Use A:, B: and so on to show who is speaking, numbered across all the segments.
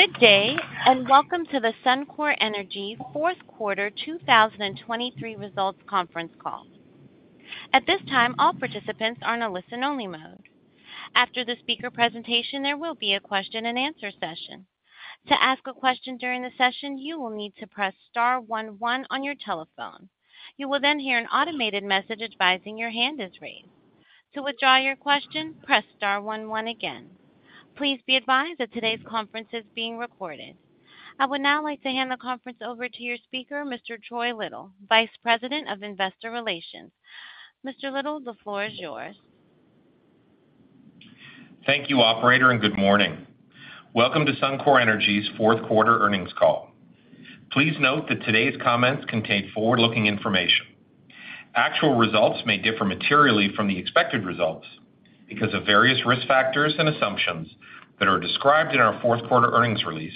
A: Good day, and welcome to the Suncor Energy fourth quarter 2023 results conference call. At this time, all participants are in a listen-only mode. After the speaker presentation, there will be a question-and-answer session. To ask a question during the session, you will need to press star one one on your telephone. You will then hear an automated message advising your hand is raised. To withdraw your question, press star one one again. Please be advised that today's conference is being recorded. I would now like to hand the conference over to your speaker, Mr. Troy Little, Vice President of Investor Relations. Mr. Little, the floor is yours.
B: Thank you, operator, and good morning. Welcome to Suncor Energy's fourth quarter earnings call. Please note that today's comments contain forward-looking information. Actual results may differ materially from the expected results because of various risk factors and assumptions that are described in our fourth quarter earnings release,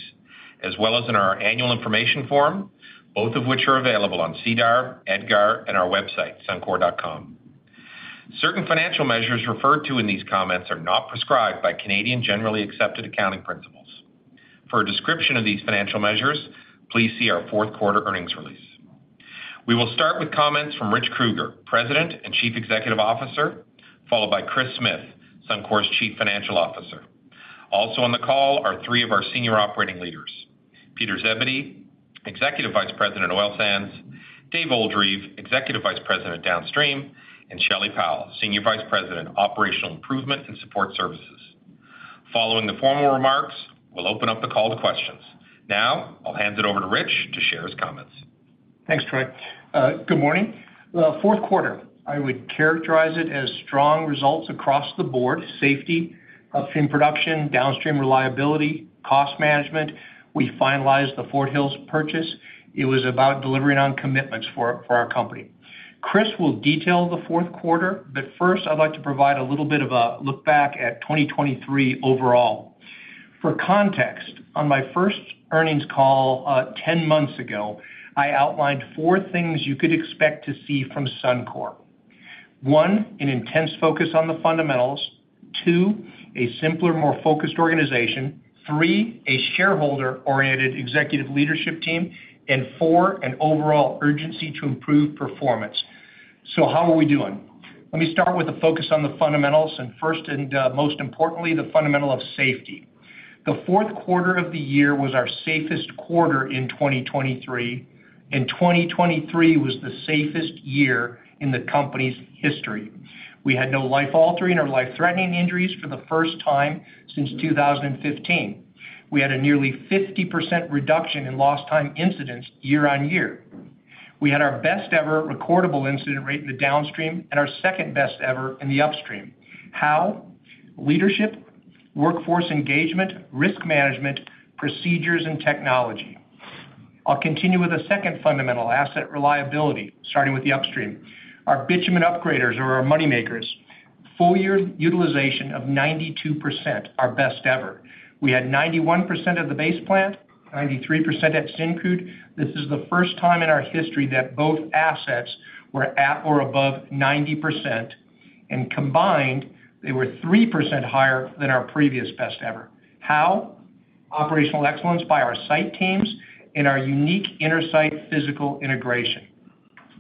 B: as well as in our Annual Information Form, both of which are available on SEDAR, EDGAR, and our website, Suncor.com. Certain financial measures referred to in these comments are not prescribed by Canadian generally accepted accounting principles. For a description of these financial measures, please see our fourth quarter earnings release. We will start with comments from Rich Kruger, President and Chief Executive Officer, followed by Kris Smith, Suncor's Chief Financial Officer. Also on the call are three of our senior operating leaders, Peter Zebedee, Executive Vice President, Oil Sands, Dave Oldreive, Executive Vice President, Downstream, and Shelley Powell, Senior Vice President, Operational Improvement and Support Services. Following the formal remarks, we'll open up the call to questions. Now, I'll hand it over to Rich to share his comments.
C: Thanks, Troy. Good morning. The fourth quarter, I would characterize it as strong results across the board, safety, upstream production, downstream reliability, cost management. We finalized the Fort Hills purchase. It was about delivering on commitments for our company. Kris will detail the fourth quarter, but first, I'd like to provide a little bit of a look back at 2023 overall. For context, on my first earnings call 10 months ago, I outlined four things you could expect to see from Suncor. One, an intense focus on the fundamentals; two, a simpler, more focused organization; three, a shareholder-oriented executive leadership team; and four, an overall urgency to improve performance. So how are we doing? Let me start with a focus on the fundamentals, and first and most importantly, the fundamental of safety. The fourth quarter of the year was our safest quarter in 2023, and 2023 was the safest year in the company's history. We had no life-altering or life-threatening injuries for the first time since 2015. We had a nearly 50% reduction in lost time incidents year on year. We had our best ever recordable incident rate in the downstream and our second best ever in the upstream. How? Leadership, workforce engagement, risk management, procedures, and technology. I'll continue with a second fundamental, asset reliability, starting with the upstream. Our bitumen upgraders are our money makers. Full year utilization of 92%, our best ever. We had 91% at the Base Plant, 93% at Syncrude. This is the first time in our history that both assets were at or above 90%, and combined, they were 3% higher than our previous best ever. How? Operational excellence by our site teams and our unique intersite physical integration.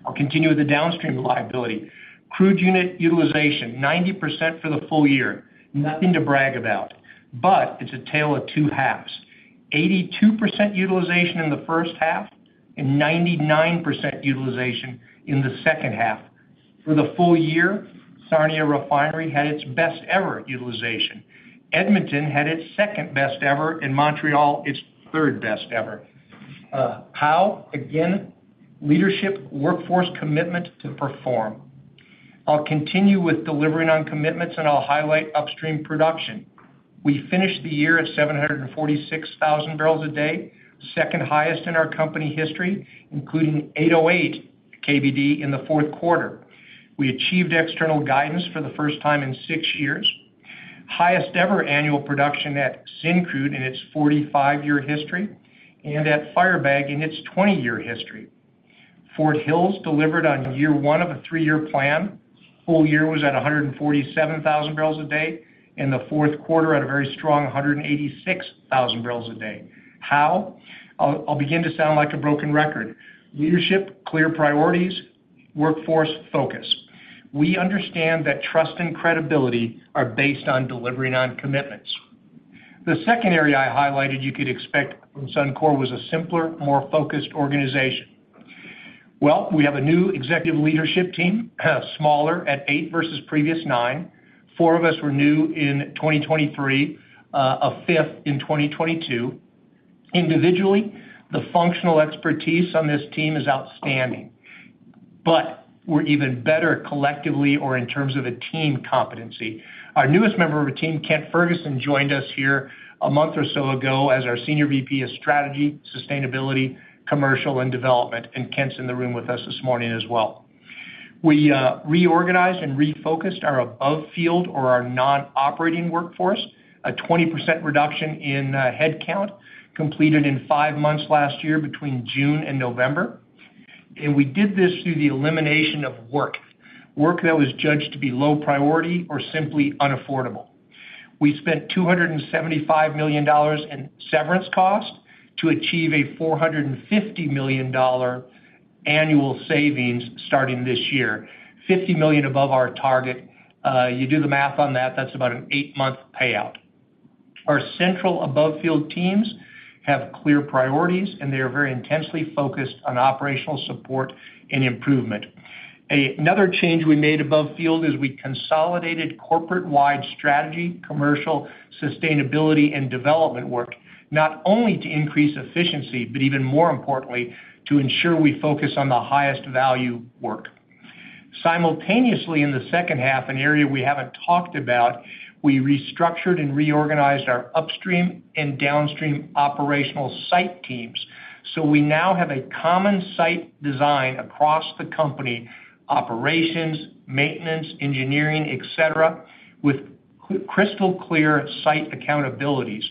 C: I'll continue with the downstream reliability. Crude unit utilization, 90% for the full year. Nothing to brag about, but it's a tale of two halves: 82% utilization in the first half and 99% utilization in the second half. For the full year, Sarnia refinery had its best ever utilization. Edmonton had its second best ever, and Montreal, its third best ever. How? Again, leadership, workforce commitment to perform. I'll continue with delivering on commitments, and I'll highlight upstream production. We finished the year at 746,000 barrels a day, second highest in our company history, including 808 KBD in the fourth quarter. We achieved external guidance for the first time in six years. Highest ever annual production at Syncrude in its 45-year history, and at Firebag in its 20-year history. Fort Hills delivered on year one of a three-year plan. Full year was at 147,000 barrels a day, in the fourth quarter at a very strong 186,000 barrels a day. How? I'll, I'll begin to sound like a broken record. Leadership, clear priorities, workforce focus. We understand that trust and credibility are based on delivering on commitments. The second area I highlighted you could expect from Suncor was a simpler, more focused organization. Well, we have a new executive leadership team, smaller at eight versus previous nine. Four of us were new in 2023, a fifth in 2022. Individually, the functional expertise on this team is outstanding, but we're even better collectively or in terms of a team competency. Our newest member of our team, Kent Ferguson, joined us here a month or so ago as our Senior VP of Strategy, Sustainability, Commercial, and Development, and Kent's in the room with us this morning as well. We reorganized and refocused our above-field or our non-operating workforce, a 20% reduction in headcount, completed in five months last year, between June and November. And we did this through the elimination of work, work that was judged to be low priority or simply unaffordable. We spent 275 million dollars in severance costs to achieve a 450 million dollar annual savings starting this year, 50 million above our target. You do the math on that, that's about an eight-month payout. Our central above field teams have clear priorities, and they are very intensely focused on operational support and improvement. Another change we made above field is we consolidated corporate-wide strategy, commercial, sustainability, and development work, not only to increase efficiency, but even more importantly, to ensure we focus on the highest value work. Simultaneously, in the second half, an area we haven't talked about, we restructured and reorganized our upstream and downstream operational site teams. So we now have a common site design across the company, operations, maintenance, engineering, etc., with crystal clear site accountabilities.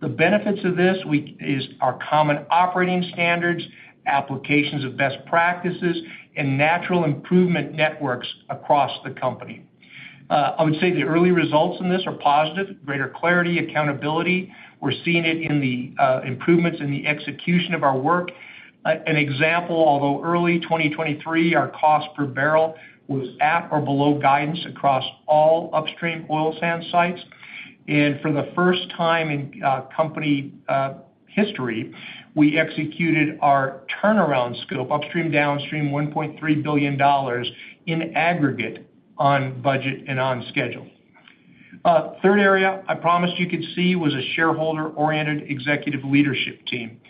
C: The benefits of this is our common operating standards, applications of best practices, and natural improvement networks across the company. I would say the early results in this are positive, greater clarity, accountability. We're seeing it in the improvements in the execution of our work. An example, although early, 2023, our cost per barrel was at or below guidance across all upstream oil sands sites. And for the first time in company history, we executed our turnaround scope, upstream, downstream, 1.3 billion dollars in aggregate on budget and on schedule. Third area I promised you could see was a shareholder-oriented executive leadership team.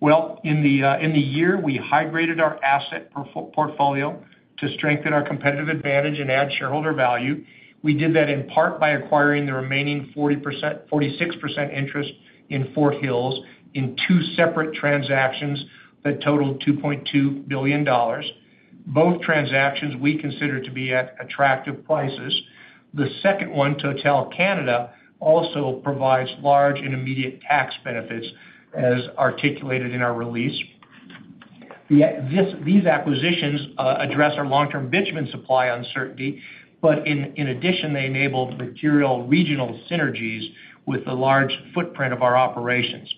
C: Well, in the year, we high-graded our asset portfolio to strengthen our competitive advantage and add shareholder value. We did that in part by acquiring the remaining 46% interest in Fort Hills in two separate transactions that totaled 2.2 billion dollars. Both transactions we consider to be at attractive prices. The second one, Total Canada, also provides large and immediate tax benefits, as articulated in our release. These acquisitions address our long-term bitumen supply uncertainty, but in addition, they enable material regional synergies with the large footprint of our operations.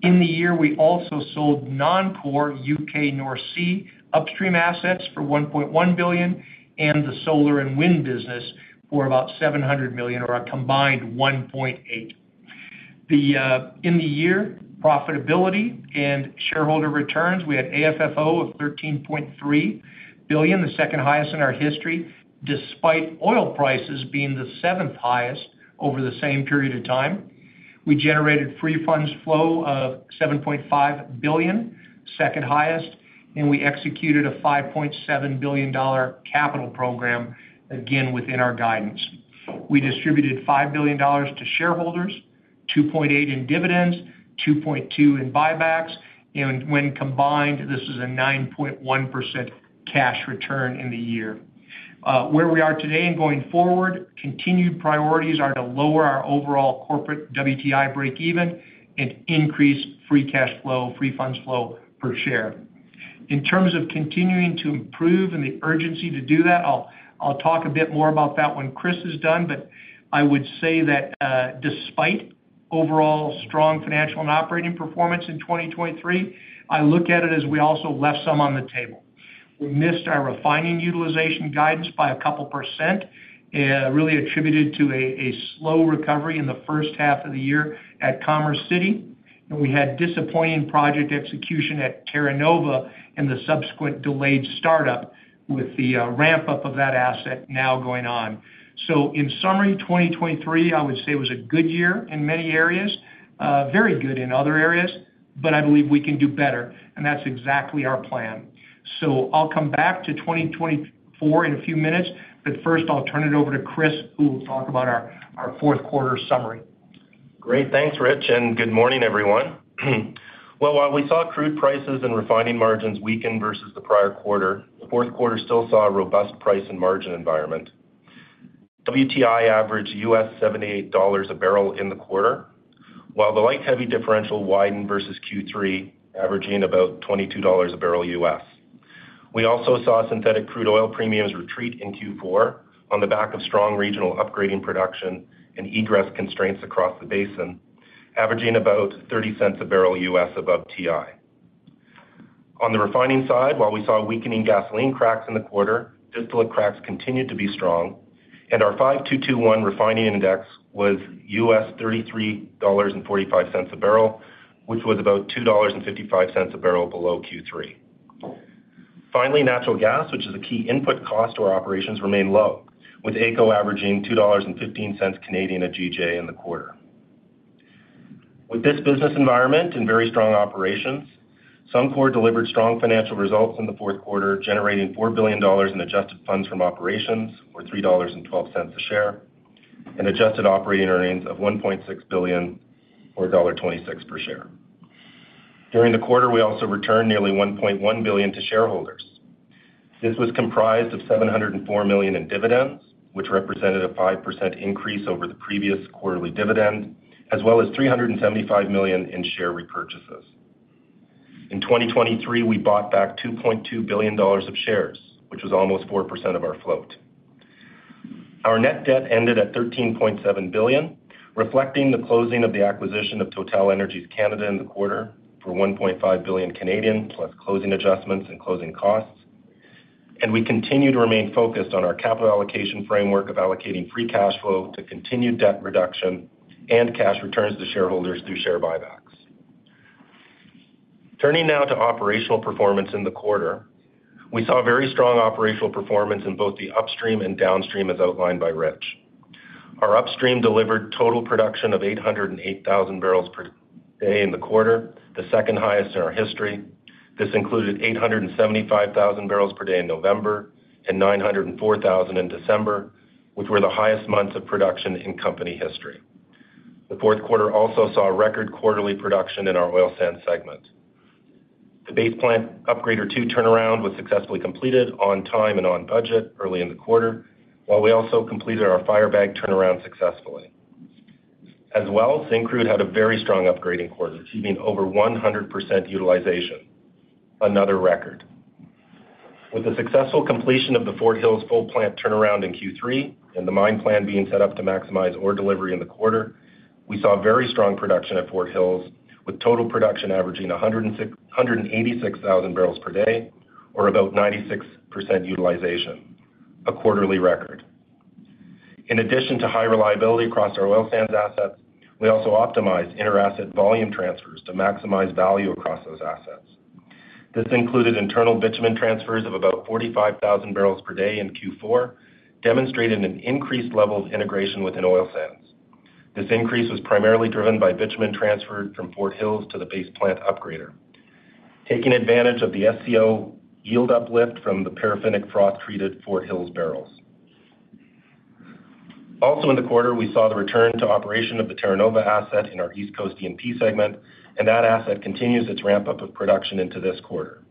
C: In the year, we also sold non-core UK North Sea upstream assets for 1.1 billion and the solar and wind business for about 700 million, or a combined 1.8 billion. The in the year profitability and shareholder returns, we had AFFO of 13.3 billion, the second highest in our history, despite oil prices being the seventh highest over the same period of time. We generated free funds flow of 7.5 billion, second highest, and we executed a 5.7 billion dollar capital program, again, within our guidance. We distributed 5 billion dollars to shareholders, 2.8 in dividends, 2.2 in buybacks, and when combined, this is a 9.1% cash return in the year. Where we are today and going forward, continued priorities are to lower our overall corporate WTI breakeven and increase free cash flow, free funds flow per share. In terms of continuing to improve and the urgency to do that, I'll talk a bit more about that when Kris is done, but I would say that, despite overall strong financial and operating performance in 2023, I look at it as we also left some on the table. We missed our refining utilization guidance by a couple percent, really attributed to a slow recovery in the first half of the year at Commerce City. And we had disappointing project execution at Terra Nova and the subsequent delayed startup, with the ramp-up of that asset now going on. So in summary, 2023, I would say, was a good year in many areas, very good in other areas, but I believe we can do better, and that's exactly our plan. So I'll come back to 2024 in a few minutes, but first, I'll turn it over to Kris, who will talk about our fourth quarter summary.
D: Great. Thanks, Rich, and good morning, everyone. Well, while we saw crude prices and refining margins weaken versus the prior quarter, the fourth quarter still saw a robust price and margin environment. WTI averaged $78 a barrel in the quarter, while the light heavy differential widened versus Q3, averaging about $22 a barrel. We also saw synthetic crude oil premiums retreat in Q4 on the back of strong regional upgrading production and egress constraints across the basin, averaging about $0.30 a barrel above WTI. On the refining side, while we saw weakening gasoline cracks in the quarter, distillate cracks continued to be strong, and our 5-2-2-1 refining index was $33.45 a barrel, which was about $2.55 a barrel below Q3. Finally, natural gas, which is a key input cost to our operations, remained low, with AECO averaging 2.15 Canadian dollars/GJ in the quarter. With this business environment and very strong operations, Suncor delivered strong financial results in the fourth quarter, generating 4 billion dollars in adjusted funds from operations, or 3.12 dollars a share, and adjusted operating earnings of 1.6 billion or dollar 1.26 per share. During the quarter, we also returned nearly 1.1 billion to shareholders.... This was comprised of 704 million in dividends, which represented a 5% increase over the previous quarterly dividend, as well as 375 million in share repurchases. In 2023, we bought back 2.2 billion dollars of shares, which was almost 4% of our float. Our net debt ended at 13.7 billion, reflecting the closing of the acquisition of TotalEnergies Canada in the quarter for 1.5 billion Canadian dollars, plus closing adjustments and closing costs. We continue to remain focused on our capital allocation framework of allocating free cash flow to continued debt reduction and cash returns to shareholders through share buybacks. Turning now to operational performance in the quarter, we saw very strong operational performance in both the upstream and downstream, as outlined by Rich. Our upstream delivered total production of 808,000 barrels per day in the quarter, the second highest in our history. This included 875,000 barrels per day in November and 904,000 in December, which were the highest months of production in company history. The fourth quarter also saw a record quarterly production in our oil sands segment. The Base Plant Upgrader Two turnaround was successfully completed on time and on budget early in the quarter, while we also completed our Firebag turnaround successfully. As well, Syncrude had a very strong upgrading quarter, achieving over 100% utilization, another record. With the successful completion of the Fort Hills full plant turnaround in Q3 and the mine plan being set up to maximize ore delivery in the quarter, we saw very strong production at Fort Hills, with total production averaging 106,686 barrels per day, or about 96% utilization, a quarterly record. In addition to high reliability across our oil sands assets, we also optimized inter-asset volume transfers to maximize value across those assets. This included internal bitumen transfers of about 45,000 barrels per day in Q4, demonstrating an increased level of integration within oil sands. This increase was primarily driven by bitumen transferred from Fort Hills to the Base Plant upgrader, taking advantage of the SCO yield uplift from the paraffinic froth-treated Fort Hills barrels. Also in the quarter, we saw the return to operation of the Terra Nova asset in our East Coast E&P segment, and that asset continues its ramp-up of production into this quarter.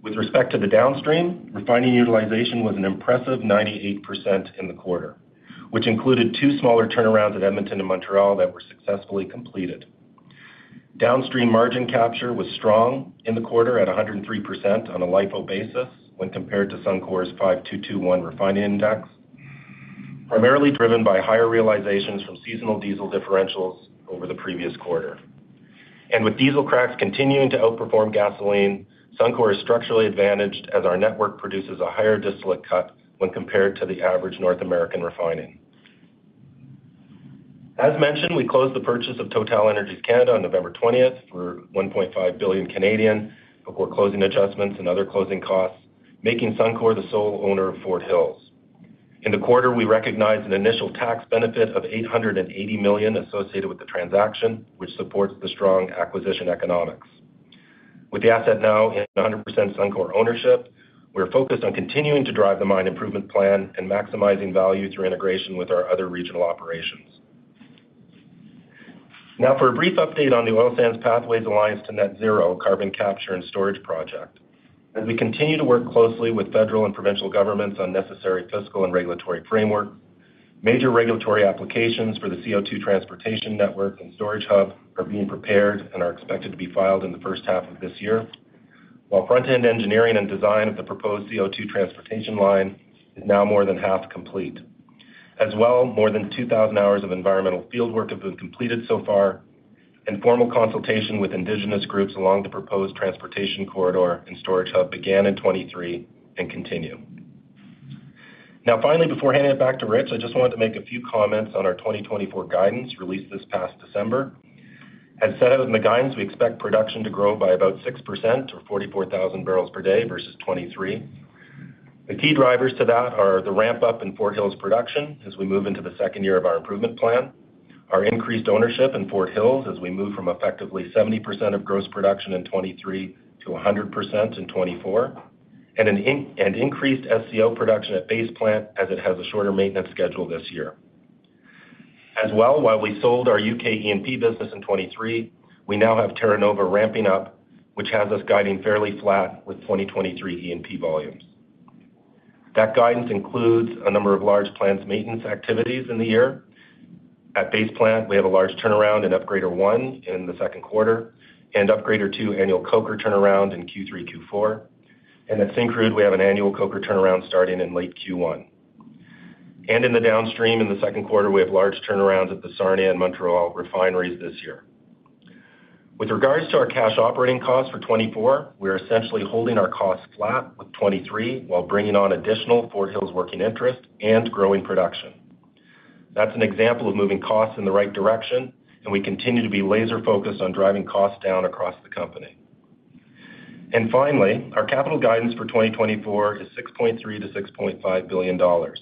D: With respect to the downstream, refining utilization was an impressive 98% in the quarter, which included two smaller turnarounds at Edmonton and Montreal that were successfully completed. Downstream margin capture was strong in the quarter at 103% on a LIFO basis when compared to Suncor's 5-2-2-1 refining index, primarily driven by higher realizations from seasonal diesel differentials over the previous quarter. With diesel cracks continuing to outperform gasoline, Suncor is structurally advantaged as our network produces a higher distillate cut when compared to the average North American refining. As mentioned, we closed the purchase of TotalEnergies Canada on November 20th for 1.5 billion, before closing adjustments and other closing costs, making Suncor the sole owner of Fort Hills. In the quarter, we recognized an initial tax benefit of 880 million associated with the transaction, which supports the strong acquisition economics. With the asset now in 100% Suncor ownership, we're focused on continuing to drive the mine improvement plan and maximizing value through integration with our other regional operations. Now, for a brief update on the Pathways Alliance net-zero carbon capture and storage project. As we continue to work closely with federal and provincial governments on necessary fiscal and regulatory framework, major regulatory applications for the CO2 transportation network and storage hub are being prepared and are expected to be filed in the first half of this year, while front-end engineering and design of the proposed CO2 transportation line is now more than half complete. As well, more than 2,000 hours of environmental field work have been completed so far, and formal consultation with Indigenous groups along the proposed transportation corridor and storage hub began in 2023 and continue. Now, finally, before handing it back to Rich, I just wanted to make a few comments on our 2024 guidance released this past December. As set out in the guidance, we expect production to grow by about 6% or 44,000 barrels per day versus 2023. The key drivers to that are the ramp-up in Fort Hills production as we move into the second year of our improvement plan, our increased ownership in Fort Hills as we move from effectively 70% of gross production in 2023 to 100% in 2024, and an increased SCO production at Base Plant as it has a shorter maintenance schedule this year. As well, while we sold our UK E&P business in 2023, we now have Terra Nova ramping up, which has us guiding fairly flat with 2023 E&P volumes. That guidance includes a number of large planned maintenance activities in the year. At Base Plant, we have a large turnaround in Upgrader One in the second quarter and Upgrader Two annual coker turnaround in Q3, Q4. At Syncrude, we have an annual coker turnaround starting in late Q1. In the downstream, in the second quarter, we have large turnarounds at the Sarnia and Montreal refineries this year. With regards to our cash operating costs for 2024, we are essentially holding our costs flat with 2023, while bringing on additional Fort Hills working interest and growing production. That's an example of moving costs in the right direction, and we continue to be laser-focused on driving costs down across the company. Finally, our capital guidance for 2024 is 6.3 billion-6.5 billion dollars.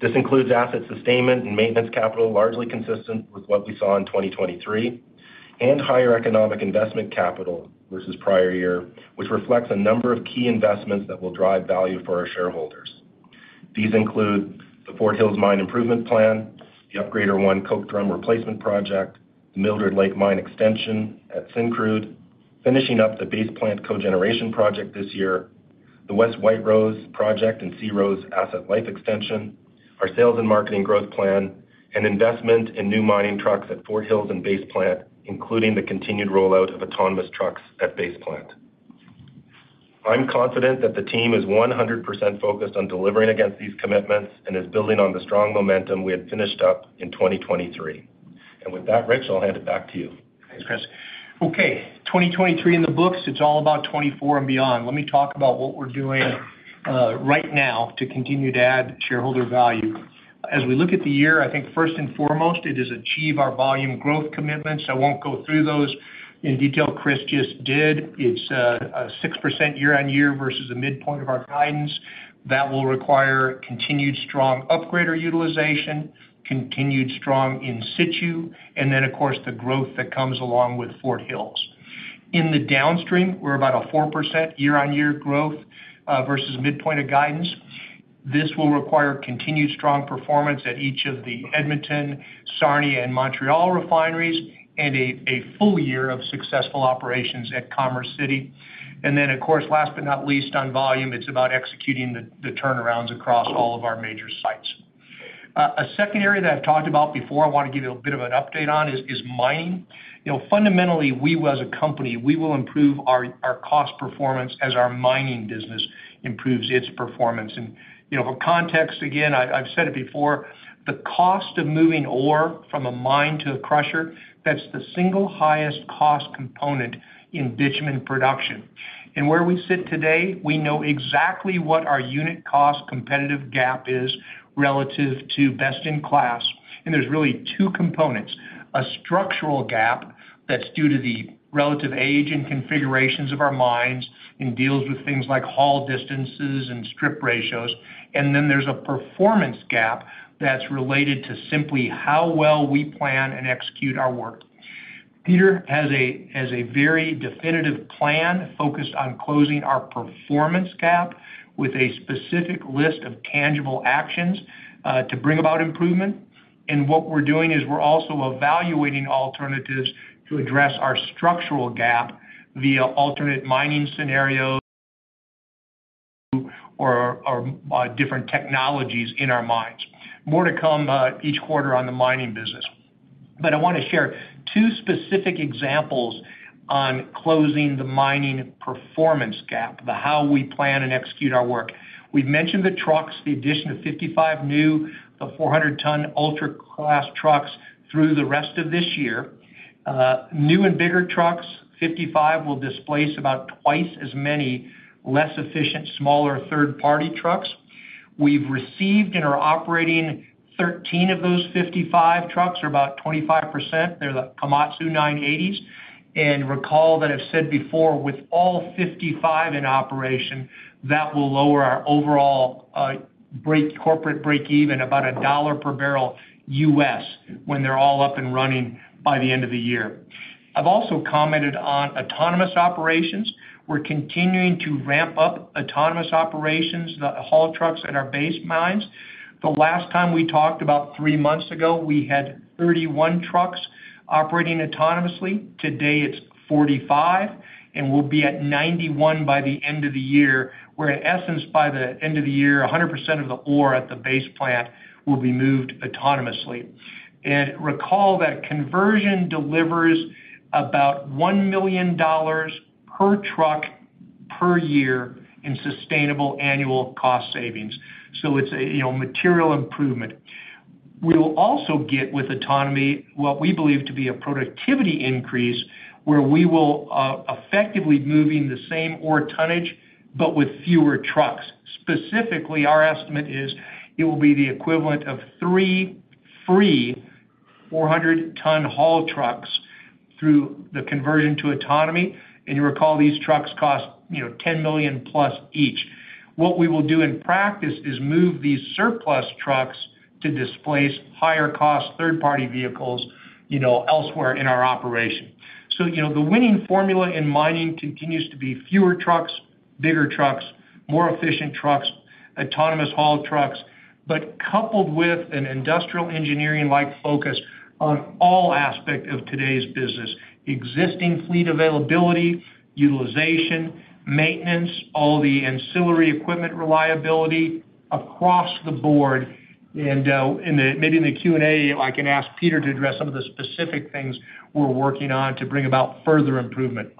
D: This includes asset sustainment and maintenance capital, largely consistent with what we saw in 2023, and higher economic investment capital versus prior year, which reflects a number of key investments that will drive value for our shareholders. These include the Fort Hills Mine Improvement Plan, the Upgrader One Coke Drum Replacement Project, the Mildred Lake Mine extension at Syncrude, finishing up the Base Plant Cogeneration Project this year, the West White Rose Project and SeaRose Asset Life Extension, our sales and marketing growth plan, and investment in new mining trucks at Fort Hills and Base Plant, including the continued rollout of autonomous trucks at Base Plant. I'm confident that the team is 100% focused on delivering against these commitments and is building on the strong momentum we had finished up in 2023. And with that, Rich, I'll hand it back to you.
C: Thanks, Kris. Okay, 2023 in the books, it's all about 2024 and beyond. Let me talk about what we're doing right now to continue to add shareholder value. As we look at the year, I think first and foremost, it is achieve our volume growth commitments. I won't go through those in detail. Kris just did. It's a 6% year-on-year versus the midpoint of our guidance. That will require continued strong upgrader utilization, continued strong in situ, and then, of course, the growth that comes along with Fort Hills. In the downstream, we're about a 4% year-on-year growth versus midpoint of guidance. This will require continued strong performance at each of the Edmonton, Sarnia, and Montreal refineries, and a full year of successful operations at Commerce City. And then, of course, last but not least, on volume, it's about executing the turnarounds across all of our major sites. A second area that I've talked about before, I wanna give you a bit of an update on, is mining. You know, fundamentally, we as a company, we will improve our cost performance as our mining business improves its performance. And, you know, for context, again, I've said it before, the cost of moving ore from a mine to a crusher, that's the single highest cost component in bitumen production. And where we sit today, we know exactly what our unit cost competitive gap is relative to best-in-class, and there's really two components: a structural gap that's due to the relative age and configurations of our mines, and deals with things like haul distances and strip ratios. Then there's a performance gap that's related to simply how well we plan and execute our work. Peter has a very definitive plan focused on closing our performance gap with a specific list of tangible actions to bring about improvement. And what we're doing is we're also evaluating alternatives to address our structural gap via alternate mining scenarios or different technologies in our mines. More to come each quarter on the mining business. But I wanna share two specific examples on closing the mining performance gap, the how we plan and execute our work. We've mentioned the trucks, the addition of 55 new 400-ton ultra-class trucks through the rest of this year. New and bigger trucks, 55, will displace about twice as many less efficient, smaller, third-party trucks. We've received and are operating 13 of those 55 trucks, or about 25%. They're the Komatsu 980s. Recall that I've said before, with all 55 in operation, that will lower our overall corporate break-even about $1 per barrel, when they're all up and running by the end of the year. I've also commented on autonomous operations. We're continuing to ramp up autonomous operations, the haul trucks in our Base mines. The last time we talked, about three months ago, we had 31 trucks operating autonomously. Today, it's 45, and we'll be at 91 by the end of the year, where in essence, by the end of the year, 100% of the ore at the Base Plant will be moved autonomously. Recall that conversion delivers about 1 million dollars per truck, per year in sustainable annual cost savings. It's a, you know, material improvement. We'll also get, with autonomy, what we believe to be a productivity increase, where we will effectively moving the same ore tonnage, but with fewer trucks. Specifically, our estimate is it will be the equivalent of three fewer 400-ton haul trucks through the conversion to autonomy. And you recall, these trucks cost, you know, 10 million plus each. What we will do in practice is move these surplus trucks to displace higher cost, third-party vehicles, you know, elsewhere in our operation. So, you know, the winning formula in mining continues to be fewer trucks, bigger trucks, more efficient trucks, autonomous haul trucks, but coupled with an industrial engineering-like focus on all aspects of today's business, existing fleet availability, utilization, maintenance, all the ancillary equipment reliability across the board. In the Q&A, I can ask Peter to address some of the specific things we're working on to bring about further improvement.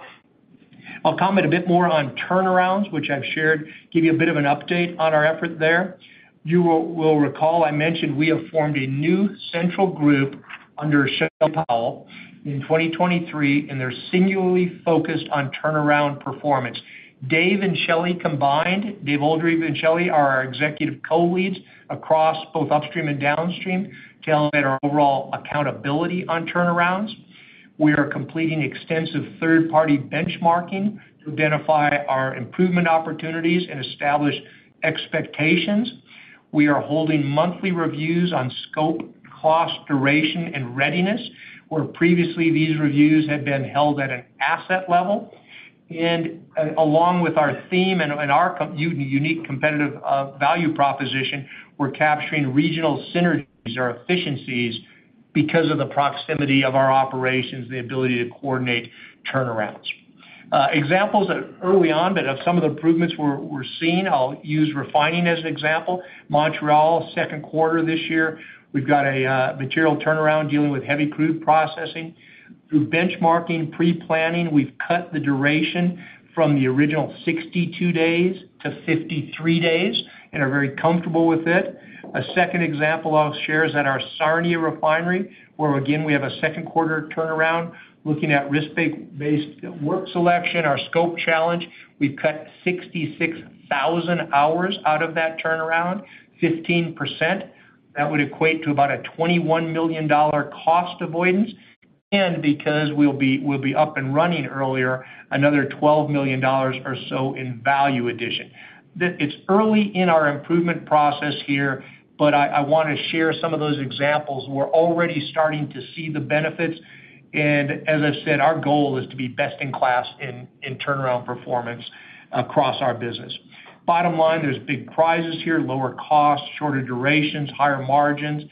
C: I'll comment a bit more on turnarounds, which I've shared. Give you a bit of an update on our effort there. You will recall, I mentioned we have formed a new central group under Shelley Powell in 2023, and they're singularly focused on turnaround performance. Dave and Shelley combined, Dave Oldreive and Shelley, are our executive co-leads across both upstream and downstream to elevate our overall accountability on turnarounds. We are completing extensive third-party benchmarking to identify our improvement opportunities and establish expectations. We are holding monthly reviews on scope, cost, duration, and readiness, where previously these reviews had been held at an asset level. And along with our theme and our unique competitive value proposition, we're capturing regional synergies or efficiencies because of the proximity of our operations, the ability to coordinate turnarounds. Examples that are early on, but of some of the improvements we're seeing, I'll use refining as an example. Montreal, second quarter this year, we've got a material turnaround dealing with heavy crude processing. Through benchmarking, pre-planning, we've cut the duration from the original 62 days to 53 days and are very comfortable with it. A second example I'll share is at our Sarnia refinery, where, again, we have a second quarter turnaround. Looking at risk-based work selection, our scope challenge, we've cut 66,000 hours out of that turnaround, 15%. That would equate to about a 21 million dollar cost avoidance, and because we'll be up and running earlier, another 12 million dollars or so in value addition. It's early in our improvement process here, but I wanna share some of those examples. We're already starting to see the benefits, and as I said, our goal is to be best-in-class in turnaround performance across our business. Bottom line, there's big prizes here: lower costs, shorter durations, higher margins.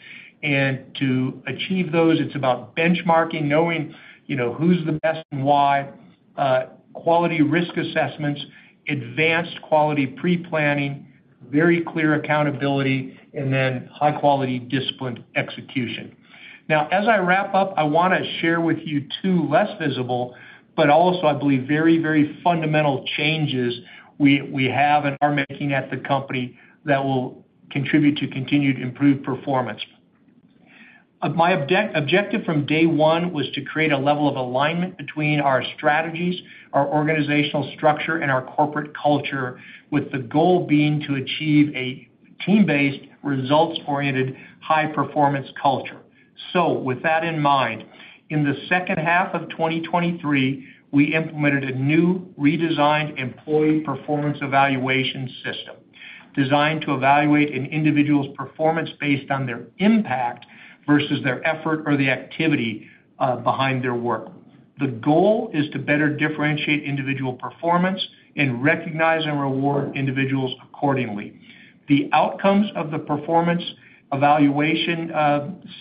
C: To achieve those, it's about benchmarking, knowing, you know, who's the best and why, quality risk assessments, advanced quality pre-planning, very clear accountability, and then high-quality, disciplined execution. Now, as I wrap up, I wanna share with you two less visible, but also, I believe, very, very fundamental changes we have and are making at the company that will contribute to continued improved performance. My objective from day one was to create a level of alignment between our strategies, our organizational structure, and our corporate culture, with the goal being to achieve a team-based, results-oriented, high-performance culture. So with that in mind, in the second half of 2023, we implemented a new, redesigned employee performance evaluation system designed to evaluate an individual's performance based on their impact versus their effort or the activity behind their work. The goal is to better differentiate individual performance and recognize and reward individuals accordingly. The outcomes of the performance evaluation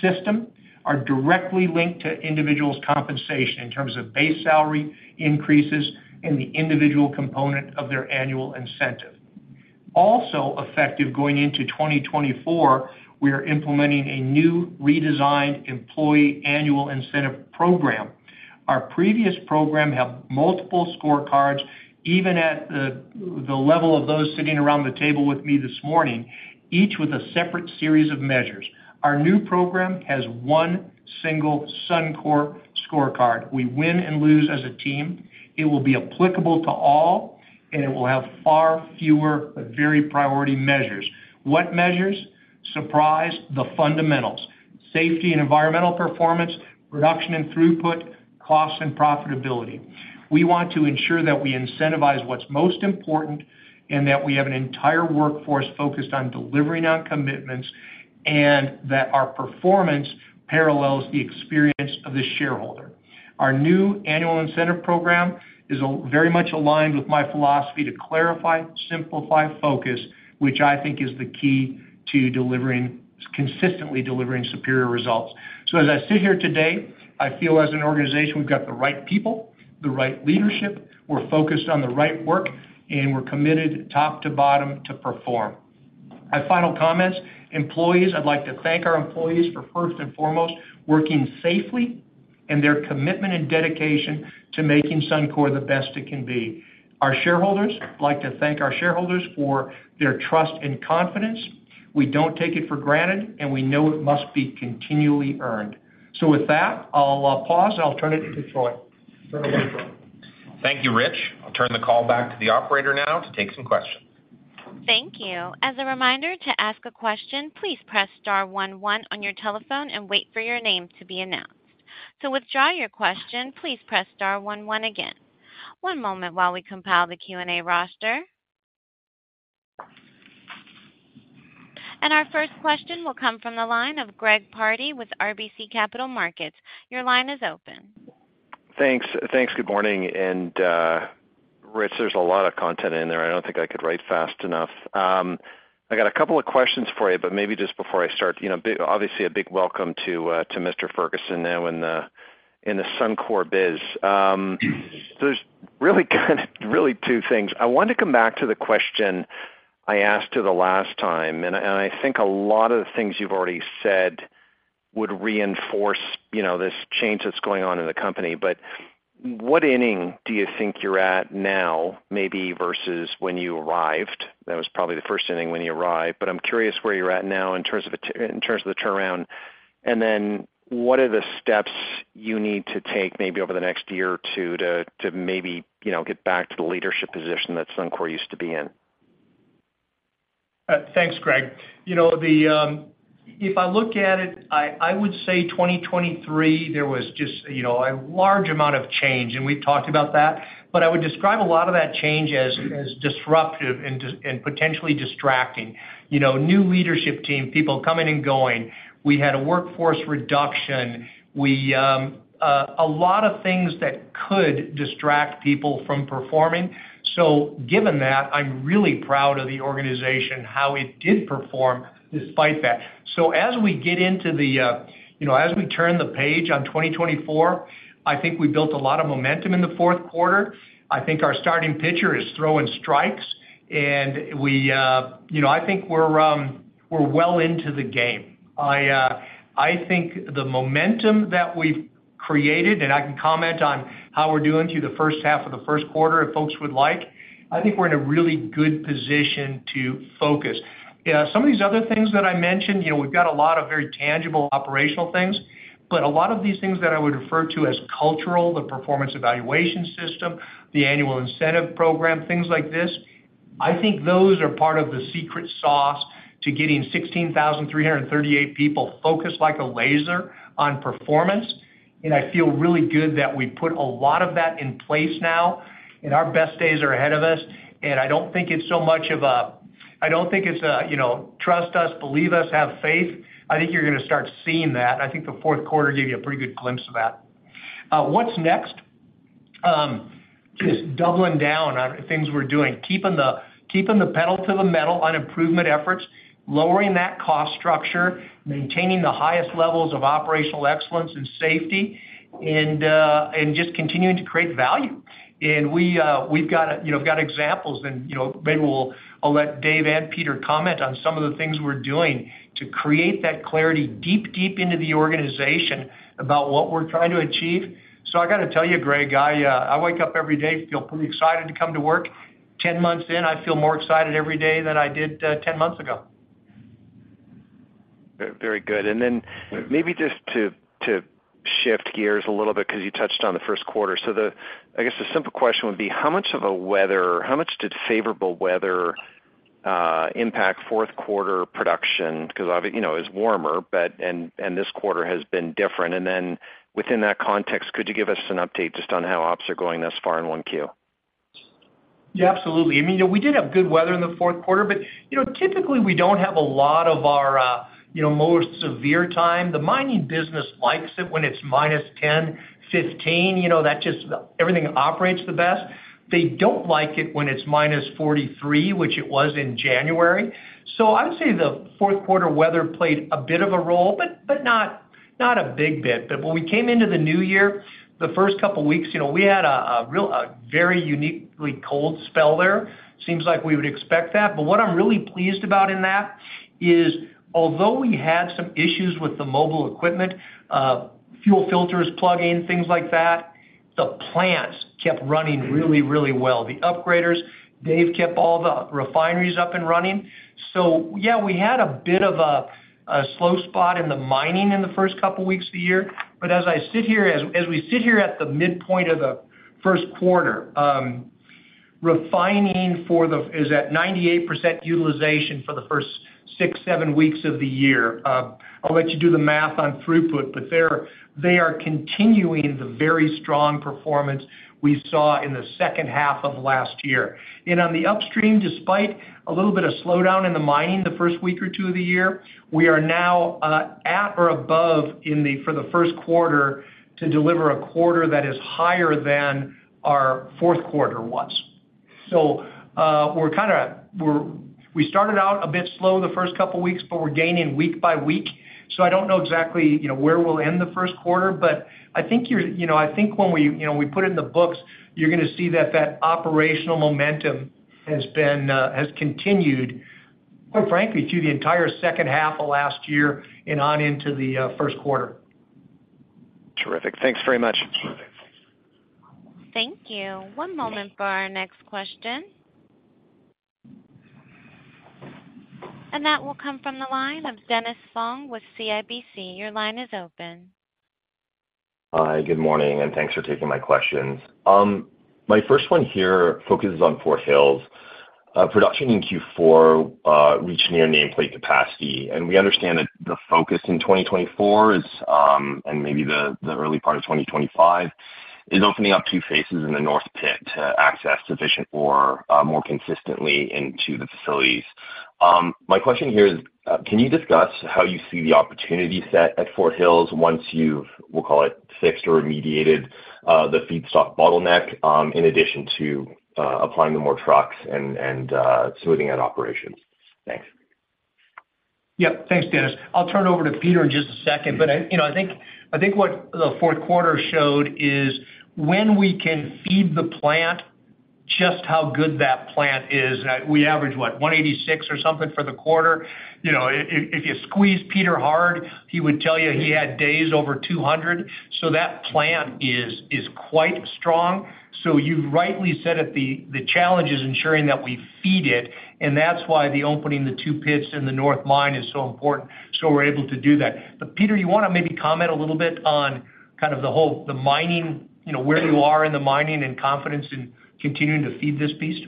C: system are directly linked to individuals' compensation in terms of base salary increases and the individual component of their annual incentive. Also effective going into 2024, we are implementing a new, redesigned employee annual incentive program. Our previous program had multiple scorecards, even at the level of those sitting around the table with me this morning, each with a separate series of measures. Our new program has one single Suncor scorecard. We win and lose as a team. It will be applicable to all, and it will have far fewer, but very priority measures. What measures? Surprise, the fundamentals: safety and environmental performance, production and throughput, costs and profitability. We want to ensure that we incentivize what's most important, and that we have an entire workforce focused on delivering on commitments, and that our performance parallels the experience of the shareholder. Our new annual incentive program is all very much aligned with my philosophy to clarify, simplify, focus, which I think is the key to delivering - consistently delivering superior results. So as I sit here today, I feel as an organization, we've got the right people, the right leadership, we're focused on the right work, and we're committed, top to bottom, to perform. My final comments. Employees, I'd like to thank our employees for, first and foremost, working safely and their commitment and dedication to making Suncor the best it can be. Our shareholders, I'd like to thank our shareholders for their trust and confidence. We don't take it for granted, and we know it must be continually earned. So with that, I'll pause, and I'll turn it to Troy. Turn it over to Troy.
B: Thank you, Rich. I'll turn the call back to the operator now to take some questions.
A: Thank you. As a reminder, to ask a question, please press star one one on your telephone and wait for your name to be announced. To withdraw your question, please press star one one again. One moment while we compile the Q&A roster. Our first question will come from the line of Greg Pardy with RBC Capital Markets. Your line is open.
E: Thanks. Thanks, good morning, and, Rich, there's a lot of content in there. I don't think I could write fast enough. I got a couple of questions for you, but maybe just before I start, you know, obviously, a big welcome to, to Mr. Ferguson now in the Suncor biz. There's really kind of, really two things. I want to come back to the question I asked you the last time, and I think a lot of the things you've already said would reinforce, you know, this change that's going on in the company. But what inning do you think you're at now, maybe versus when you arrived? That was probably the first inning when you arrived, but I'm curious where you're at now in terms of the turnaround. Then, what are the steps you need to take, maybe over the next year or two, to maybe, you know, get back to the leadership position that Suncor used to be in?
C: Thanks, Greg. You know, if I look at it, I would say 2023, there was just, you know, a large amount of change, and we've talked about that. But I would describe a lot of that change as disruptive and just and potentially distracting. You know, new leadership team, people coming and going. We had a workforce reduction. We, a lot of things that could distract people from performing. So given that, I'm really proud of the organization, how it did perform despite that. So as we get into the, you know, as we turn the page on 2024, I think we built a lot of momentum in the fourth quarter. I think our starting pitcher is throwing strikes... and we, you know, I think we're, we're well into the game. I think the momentum that we've created, and I can comment on how we're doing through the first half of the first quarter, if folks would like. I think we're in a really good position to focus. Some of these other things that I mentioned, you know, we've got a lot of very tangible operational things, but a lot of these things that I would refer to as cultural, the performance evaluation system, the annual incentive program, things like this, I think those are part of the secret sauce to getting 16,338 people focused like a laser on performance. I feel really good that we put a lot of that in place now, and our best days are ahead of us. I don't think it's so much of a, you know, trust us, believe us, have faith. I think you're gonna start seeing that. I think the fourth quarter gave you a pretty good glimpse of that. What's next? Just doubling down on things we're doing, keeping the pedal to the metal on improvement efforts, lowering that cost structure, maintaining the highest levels of operational excellence and safety, and just continuing to create value. And we, we've got, you know, got examples, and, you know, maybe we'll, I'll let Dave and Peter comment on some of the things we're doing to create that clarity deep, deep into the organization about what we're trying to achieve. So I gotta tell you, Greg, I, I wake up every day, feel pretty excited to come to work. 10 months in, I feel more excited every day than I did, 10 months ago.
E: Very good. And then maybe just to shift gears a little bit, 'cause you touched on the first quarter. So I guess the simple question would be, how much did favorable weather impact fourth quarter production? Because you know, it's warmer, but and this quarter has been different. And then within that context, could you give us an update just on how ops are going thus far in 1Q?
C: Yeah, absolutely. I mean, we did have good weather in the fourth quarter, but, you know, typically, we don't have a lot of our, you know, most severe time. The mining business likes it when it's minus 10, 15. You know, that just, everything operates the best. They don't like it when it's minus 43, which it was in January. So I would say the fourth quarter weather played a bit of a role, but, but not, not a big bit. But when we came into the new year, the first couple of weeks, you know, we had a very uniquely cold spell there. Seems like we would expect that. But what I'm really pleased about in that, is although we had some issues with the mobile equipment, fuel filters plugging, things like that, the plants kept running really, really well. The upgraders, Dave kept all the refineries up and running. So yeah, we had a bit of a slow spot in the mining in the first couple of weeks of the year, but as we sit here at the midpoint of the first quarter, refining for the is at 98% utilization for the first six, seven weeks of the year. I'll let you do the math on throughput, but they are continuing the very strong performance we saw in the second half of last year. And on the upstream, despite a little bit of slowdown in the mining the first week or two of the year, we are now at or above in the for the first quarter, to deliver a quarter that is higher than our fourth quarter was. So, we started out a bit slow the first couple of weeks, but we're gaining week by week. So I don't know exactly, you know, where we'll end the first quarter, but I think you're, you know, I think when we, you know, we put in the books, you're gonna see that operational momentum has continued, quite frankly, through the entire second half of last year and on into the first quarter.
E: Terrific. Thanks very much.
A: Thank you. One moment for our next question. That will come from the line of Dennis Fong with CIBC. Your line is open.
F: Hi, good morning, and thanks for taking my questions. My first one here focuses on Fort Hills. Production in Q4 reached near nameplate capacity, and we understand that the focus in 2024 is, and maybe the early part of 2025, is opening up two phases in the North Pit to access sufficient ore more consistently into the facilities. My question here is, can you discuss how you see the opportunity set at Fort Hills once you've, we'll call it, fixed or remediated the feedstock bottleneck, in addition to applying the more trucks and smoothing out operations? Thanks.
C: Yeah. Thanks, Dennis. I'll turn it over to Peter in just a second. But, you know, I think, I think what the fourth quarter showed is when we can feed the plant, just how good that plant is. We average, what, 186 or something for the quarter. You know, if, if you squeeze Peter hard, he would tell you he had days over 200. So that plant is, is quite strong. So you've rightly said it, the challenge is ensuring that we feed it, and that's why the opening the two pits in the north mine is so important, so we're able to do that. But, Peter, you wanna maybe comment a little bit on kind of the whole, the mining, you know, where you are in the mining and confidence in continuing to feed this beast?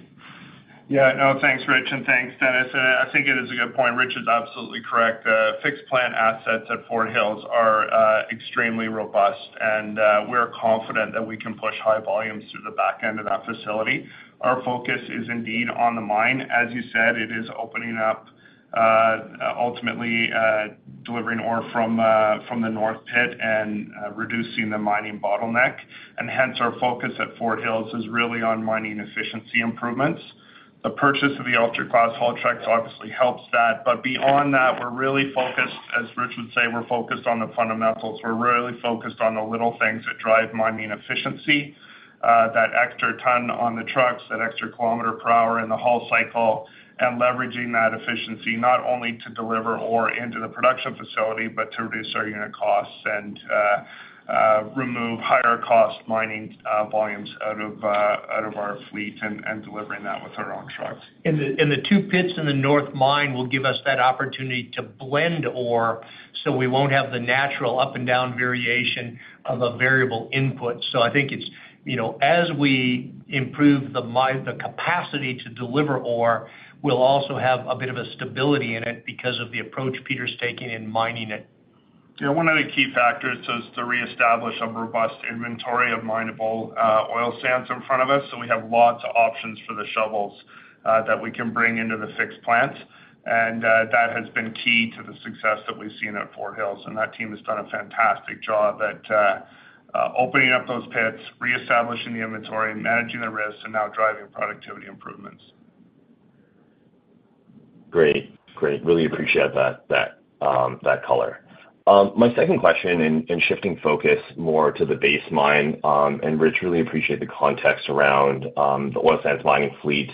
G: Yeah. No, thanks, Rich, and thanks, Dennis. I think it is a good point. Rich is absolutely correct. Fixed plant assets at Fort Hills are extremely robust, and we're confident that we can push high volumes through the back end of that facility. Our focus is indeed on the mine. As you said, it is opening up, ultimately, delivering ore from the North Pit and reducing the mining bottleneck. Hence, our focus at Fort Hills is really on mining efficiency improvements. The purchase of the ultra-class haul trucks obviously helps that. But beyond that, we're really focused, as Rich would say, we're focused on the fundamentals. We're really focused on the little things that drive mining efficiency. That extra ton on the trucks, that extra kilometer per hour in the haul cycle, and leveraging that efficiency, not only to deliver ore into the production facility, but to reduce our unit costs and remove higher cost mining volumes out of our fleet and delivering that with our own trucks.
C: And the two pits in the north mine will give us that opportunity to blend ore, so we won't have the natural up and down variation of a variable input. So I think it's, you know, as we improve the mine, the capacity to deliver ore, we'll also have a bit of a stability in it because of the approach Peter's taking in mining it.
G: Yeah, one of the key factors is to reestablish a robust inventory of mineable oil sands in front of us. So we have lots of options for the shovels that we can bring into the fixed plant. And that has been key to the success that we've seen at Fort Hills. And that team has done a fantastic job at opening up those pits, reestablishing the inventory, managing the risks, and now driving productivity improvements.
F: Great. Great. Really appreciate that color. My second question, and shifting focus more to the Base Mine, and Rich, really appreciate the context around the oil sands mining fleet,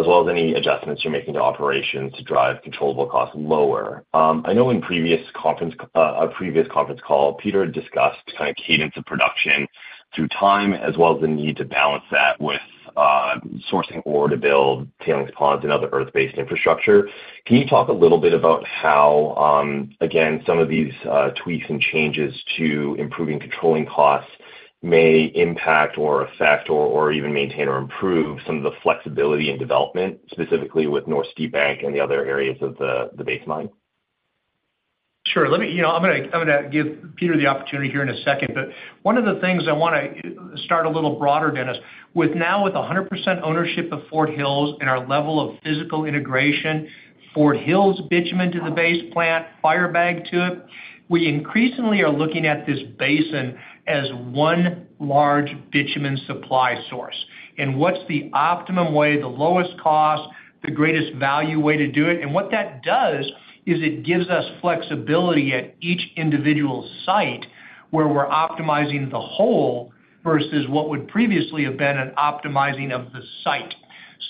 F: as well as any adjustments you're making to operations to drive controllable costs lower. I know in previous conference, a previous conference call, Peter discussed kind of cadence of production through time, as well as the need to balance that with sourcing ore to build tailings ponds and other earth-based infrastructure. Can you talk a little bit about how, again, some of these tweaks and changes to improving controlling costs may impact or affect or even maintain or improve some of the flexibility and development, specifically with North Steepbank and the other areas of the Base Mine?
C: Sure. You know, I'm gonna, I'm gonna give Peter the opportunity here in a second, but one of the things I wanna start a little broader, Dennis, with now with 100% ownership of Fort Hills and our level of physical integration, Fort Hills bitumen to the Base Plant, Firebag to it, we increasingly are looking at this basin as one large bitumen supply source. And what's the optimum way, the lowest cost, the greatest value way to do it? And what that does is it gives us flexibility at each individual site, where we're optimizing the whole versus what would previously have been an optimizing of the site.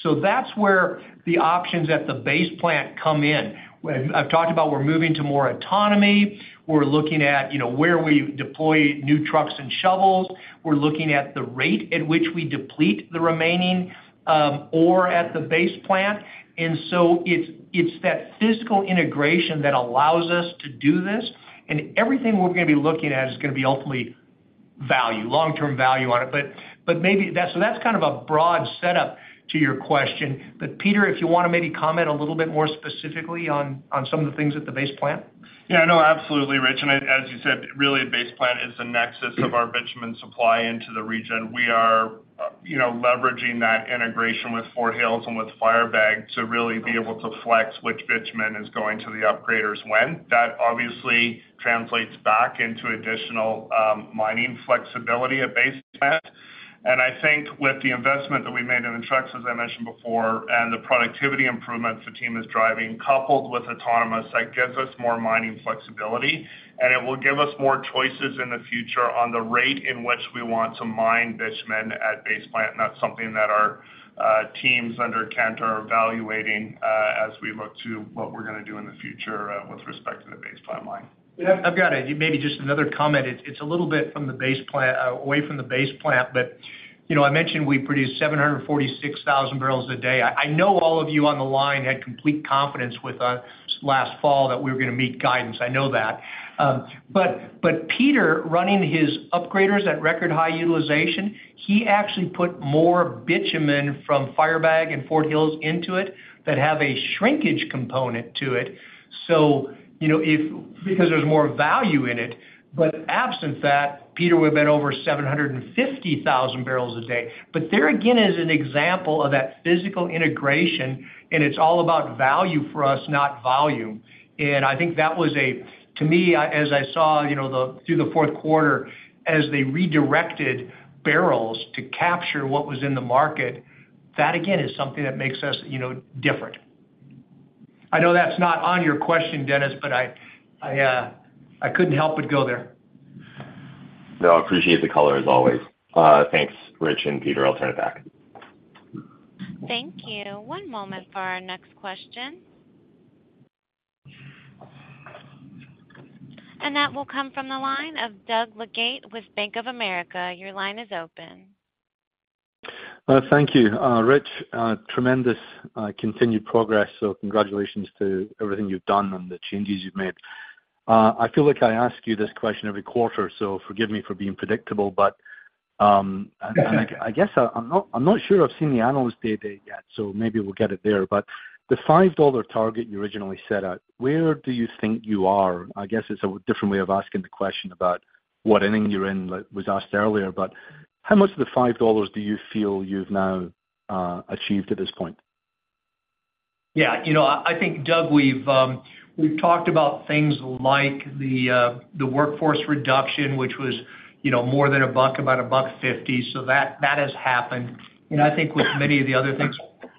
C: So that's where the options at the Base Plant come in. I've talked about we're moving to more autonomy. We're looking at, you know, where we deploy new trucks and shovels. We're looking at the rate at which we deplete the remaining ore at the Base Plant. And so it's that physical integration that allows us to do this, and everything we're gonna be looking at is gonna be ultimately value, long-term value on it. But maybe that's. So that's kind of a broad setup to your question. But Peter, if you wanna maybe comment a little bit more specifically on some of the things at the Base Plant?
G: Yeah, no, absolutely, Rich. And as you said, really, Base Plant is the nexus of our bitumen supply into the region. We are, you know, leveraging that integration with Fort Hills and with Firebag to really be able to flex which bitumen is going to the upgraders when. That obviously translates back into additional mining flexibility at Base Plant. And I think with the investment that we made in the trucks, as I mentioned before, and the productivity improvements the team is driving, coupled with autonomous, that gives us more mining flexibility, and it will give us more choices in the future on the rate in which we want to mine bitumen at Base Plant. And that's something that our teams under Kent are evaluating as we look to what we're gonna do in the future with respect to the Base Plant mine.
C: Yeah, I've got a-- maybe just another comment. It's a little bit from the Base Plant away from the Base Plant, but you know, I mentioned we produced 746,000 barrels a day. I know all of you on the line had complete confidence with us last fall that we were gonna meet guidance. I know that. But Peter, running his upgraders at record high utilization, he actually put more bitumen from Firebag and Fort Hills into it that have a shrinkage component to it. So you know, if-- because there's more value in it, but absent that, Peter would have been over 750,000 barrels a day. But there again is an example of that physical integration, and it's all about value for us, not volume. I think that was to me, as I saw, you know, through the fourth quarter, as they redirected barrels to capture what was in the market, that again is something that makes us, you know, different. I know that's not on your question, Dennis, but I couldn't help but go there.
F: No, I appreciate the color as always. Thanks, Rich and Peter. I'll turn it back.
A: Thank you. One moment for our next question. That will come from the line of Doug Leggate with Bank of America. Your line is open.
H: Thank you. Rich, tremendous continued progress, so congratulations to everything you've done and the changes you've made. I feel like I ask you this question every quarter, so forgive me for being predictable, but and I, I guess I'm not, I'm not sure I've seen the analyst day date yet, so maybe we'll get it there. But the 5 dollar target you originally set out, where do you think you are? I guess it's a different way of asking the question about what inning you're in, like was asked earlier, but how much of the 5 dollars do you feel you've now achieved at this point?
C: Yeah, you know, I think, Doug, we've talked about things like the workforce reduction, which was, you know, more than CAD 1, about 1.50. So that has happened. And I think with many of the other things,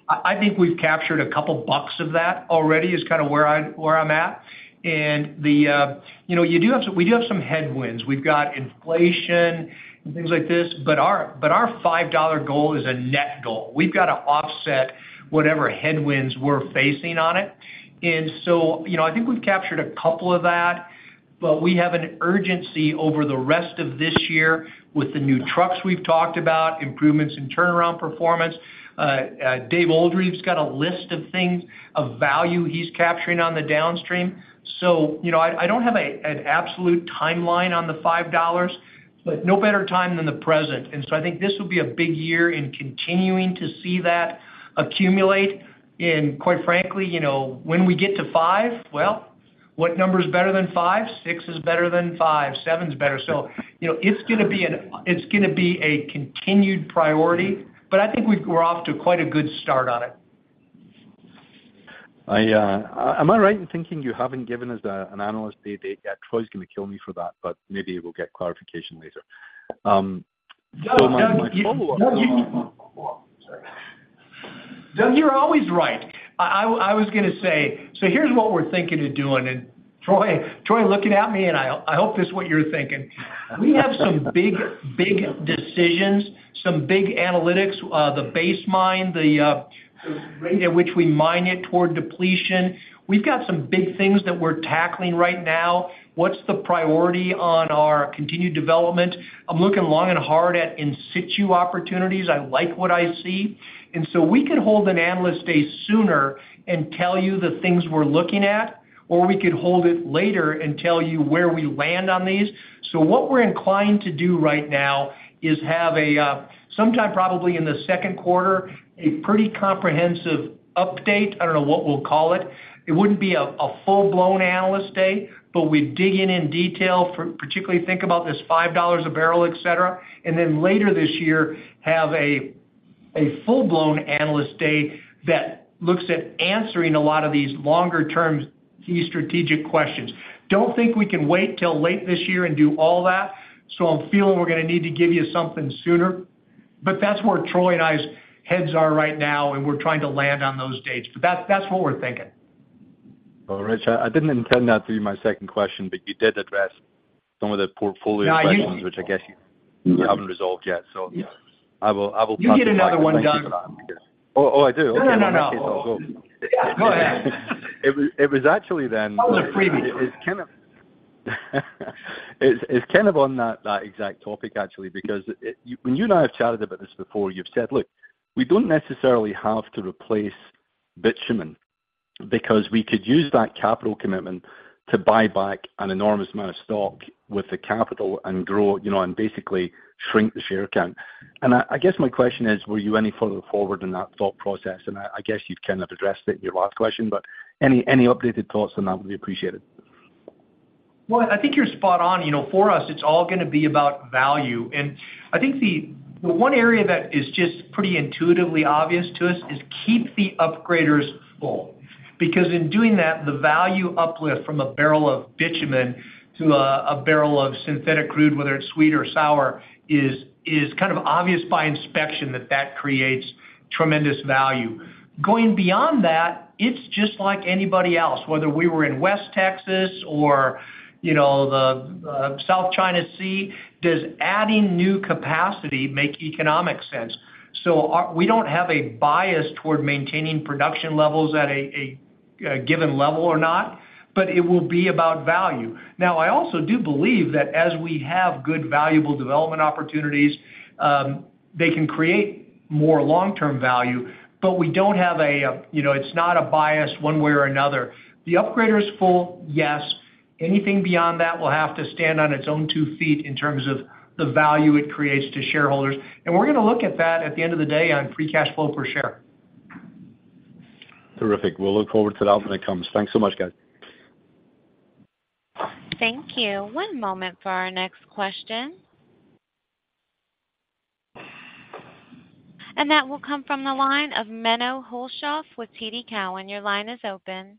C: I think we've captured a couple bucks of that already, is kind of where I'm at. And you know, we do have some headwinds. We've got inflation and things like this, but our 5 dollar goal is a net goal. We've got to offset whatever headwinds we're facing on it. And so, you know, I think we've captured a couple of that, but we have an urgency over the rest of this year with the new trucks we've talked about, improvements in turnaround performance. Dave Oldreive's got a list of things, of value he's capturing on the downstream. So, you know, I don't have an absolute timeline on the 5 dollars, but no better time than the present. And so I think this will be a big year in continuing to see that accumulate. And quite frankly, you know, when we get to 5, well, what number is better than CAD? 6 is better than 5, 7 is better. So, you know, it's gonna be a continued priority, but I think we're off to quite a good start on it.
H: Am I right in thinking you haven't given us an analyst day yet? Troy's gonna kill me for that, but maybe we'll get clarification later.
C: Doug, you're always right. I was gonna say, so here's what we're thinking of doing. And Troy, looking at me, and I hope this is what you're thinking. We have some big, big decisions, some big analytics, the Base Mine, the rate at which we mine it toward depletion. We've got some big things that we're tackling right now. What's the priority on our continued development? I'm looking long and hard at in situ opportunities. I like what I see. And so we could hold an analyst day sooner and tell you the things we're looking at, or we could hold it later and tell you where we land on these. So what we're inclined to do right now is have a sometime, probably in the second quarter, a pretty comprehensive update. I don't know what we'll call it. It wouldn't be a full-blown analyst day, but we'd dig in detail for—particularly think about this 5 dollars a barrel, etc. And then later this year, have a full-blown analyst day that looks at answering a lot of these longer-term key strategic questions. Don't think we can wait till late this year and do all that, so I'm feeling we're gonna need to give you something sooner. But that's where Troy and I's heads are right now, and we're trying to land on those dates. But that's what we're thinking.
H: Well, Rich, I didn't intend that to be my second question, but you did address some of the portfolio questions-
C: No, I did.
H: which I guess you haven't resolved yet. So I will, I will
C: You get another one, Doug.
H: Oh, oh, I do?
C: No, no, no, no. Go ahead.
H: It was actually then-
C: That was a freebie.
H: It's kind of on that exact topic, actually, because it... When you and I have chatted about this before, you've said: Look, we don't necessarily have to replace bitumen, because we could use that capital commitment to buy back an enormous amount of stock with the capital and grow, you know, and basically shrink the share count. And I guess my question is, were you any further forward in that thought process? And I guess you've kind of addressed it in your last question, but any updated thoughts on that would be appreciated.
C: Well, I think you're spot on. You know, for us, it's all gonna be about value. And I think the one area that is just pretty intuitively obvious to us is keep the upgraders full. Because in doing that, the value uplift from a barrel of bitumen to a barrel of synthetic crude, whether it's sweet or sour, is kind of obvious by inspection that that creates tremendous value. Going beyond that, it's just like anybody else, whether we were in West Texas or, you know, the South China Sea, does adding new capacity make economic sense? So we don't have a bias toward maintaining production levels at a given level or not, but it will be about value. Now, I also do believe that as we have good, valuable development opportunities, they can create more long-term value, but we don't have, you know, it's not a bias one way or another. The upgrader is full, yes. Anything beyond that will have to stand on its own two feet in terms of the value it creates to shareholders. And we're gonna look at that at the end of the day on free cash flow per share.
H: Terrific. We'll look forward to that when it comes. Thanks so much, guys.
A: Thank you. One moment for our next question. That will come from the line of Menno Hulshof with TD Cowen. Your line is open.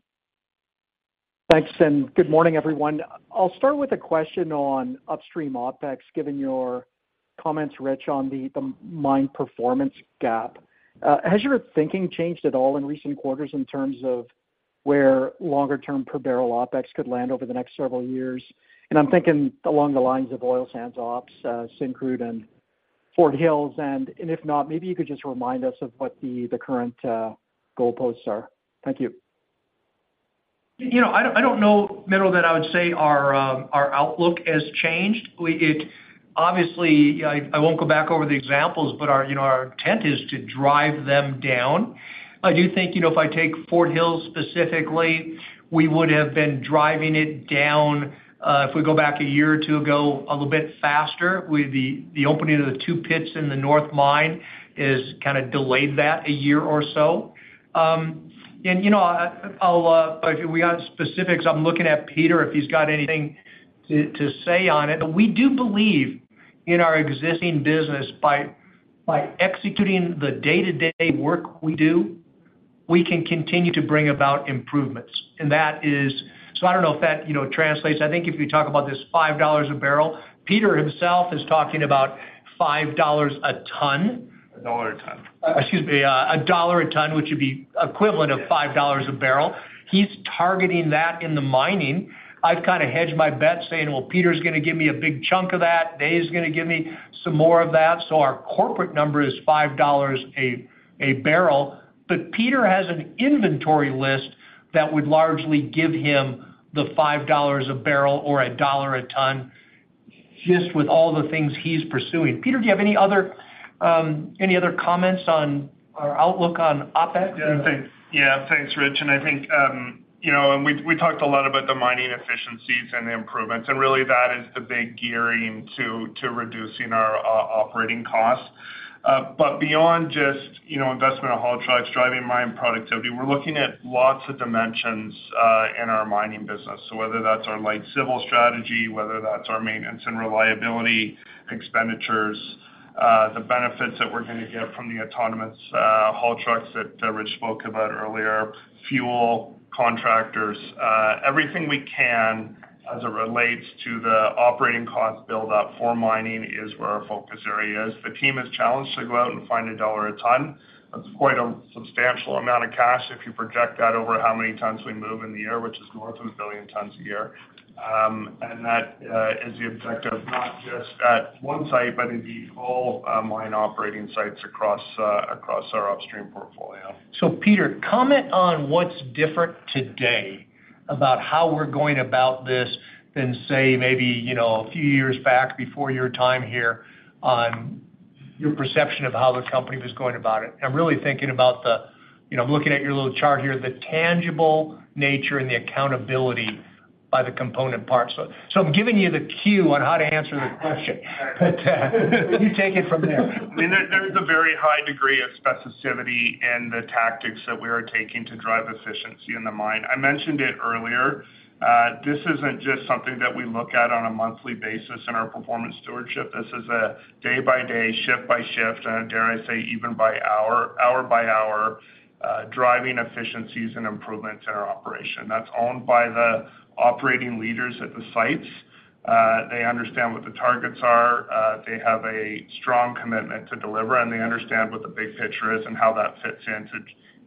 I: Thanks, and good morning, everyone. I'll start with a question on upstream OpEx, given your comments, Rich, on the mine performance gap. Has your thinking changed at all in recent quarters in terms of where longer-term per barrel OpEx could land over the next several years? And I'm thinking along the lines of oil sands ops, Syncrude and Fort Hills. And if not, maybe you could just remind us of what the current goalposts are. Thank you.
C: You know, I don't, I don't know, Menno, that I would say our outlook has changed. We, it obviously, I won't go back over the examples, but our, you know, our intent is to drive them down. I do think, you know, if I take Fort Hills specifically, we would have been driving it down, if we go back a year or two ago, a little bit faster. With the opening of the two pits in the North Mine has kind of delayed that a year or so. And, you know, I'll, if we have specifics, I'm looking at Peter, if he's got anything to say on it. But we do believe in our existing business by executing the day-to-day work we do, We can continue to bring about improvements, and that is. So I don't know if that, you know, translates. I think if you talk about this 5 dollars a barrel, Peter himself is talking about 5 dollars a ton.
G: CAD 1 a ton.
C: Excuse me, CAD 1 a ton, which would be equivalent of 5 dollars a barrel. He's targeting that in the mining. I've kinda hedged my bet, saying, Well, Peter's gonna give me a big chunk of that, Dave's gonna give me some more of that, so our corporate number is 5 dollars a barrel. But Peter has an inventory list that would largely give him the 5 dollars a barrel or CAD 1 a ton, just with all the things he's pursuing. Peter, do you have any other, any other comments on our outlook on OpEx?
G: Yeah, thanks, Rich. And I think, you know, and we, we talked a lot about the mining efficiencies and the improvements, and really, that is the big gearing to reducing our operating costs. But beyond just, you know, investment of haul trucks, driving mine productivity, we're looking at lots of dimensions in our mining business. So whether that's our light civil strategy, whether that's our maintenance and reliability expenditures, the benefits that we're gonna get from the autonomous haul trucks that Rich spoke about earlier, fuel, contractors, everything we can as it relates to the operating cost build-up for mining is where our focus area is. The team is challenged to go out and find CAD 1 ton. That's quite a substantial amount of cash if you project that over how many tons we move in the year, which is north of a billion tons a year. That is the objective, not just at one site, but in the whole mine operating sites across our upstream portfolio.
C: So Peter, comment on what's different today about how we're going about this than, say, maybe, you know, a few years back before your time here, on your perception of how the company was going about it. I'm really thinking about the... You know, I'm looking at your little chart here, the tangible nature and the accountability by the component parts. So, so I'm giving you the cue on how to answer this question. But, you take it from there.
G: I mean, there, there is a very high degree of specificity in the tactics that we are taking to drive efficiency in the mine. I mentioned it earlier, this isn't just something that we look at on a monthly basis in our performance stewardship. This is a day-by-day, shift-by-shift, and dare I say, even by hour, hour by hour, driving efficiencies and improvements in our operation. That's owned by the operating leaders at the sites. They understand what the targets are, they have a strong commitment to deliver, and they understand what the big picture is and how that fits in to,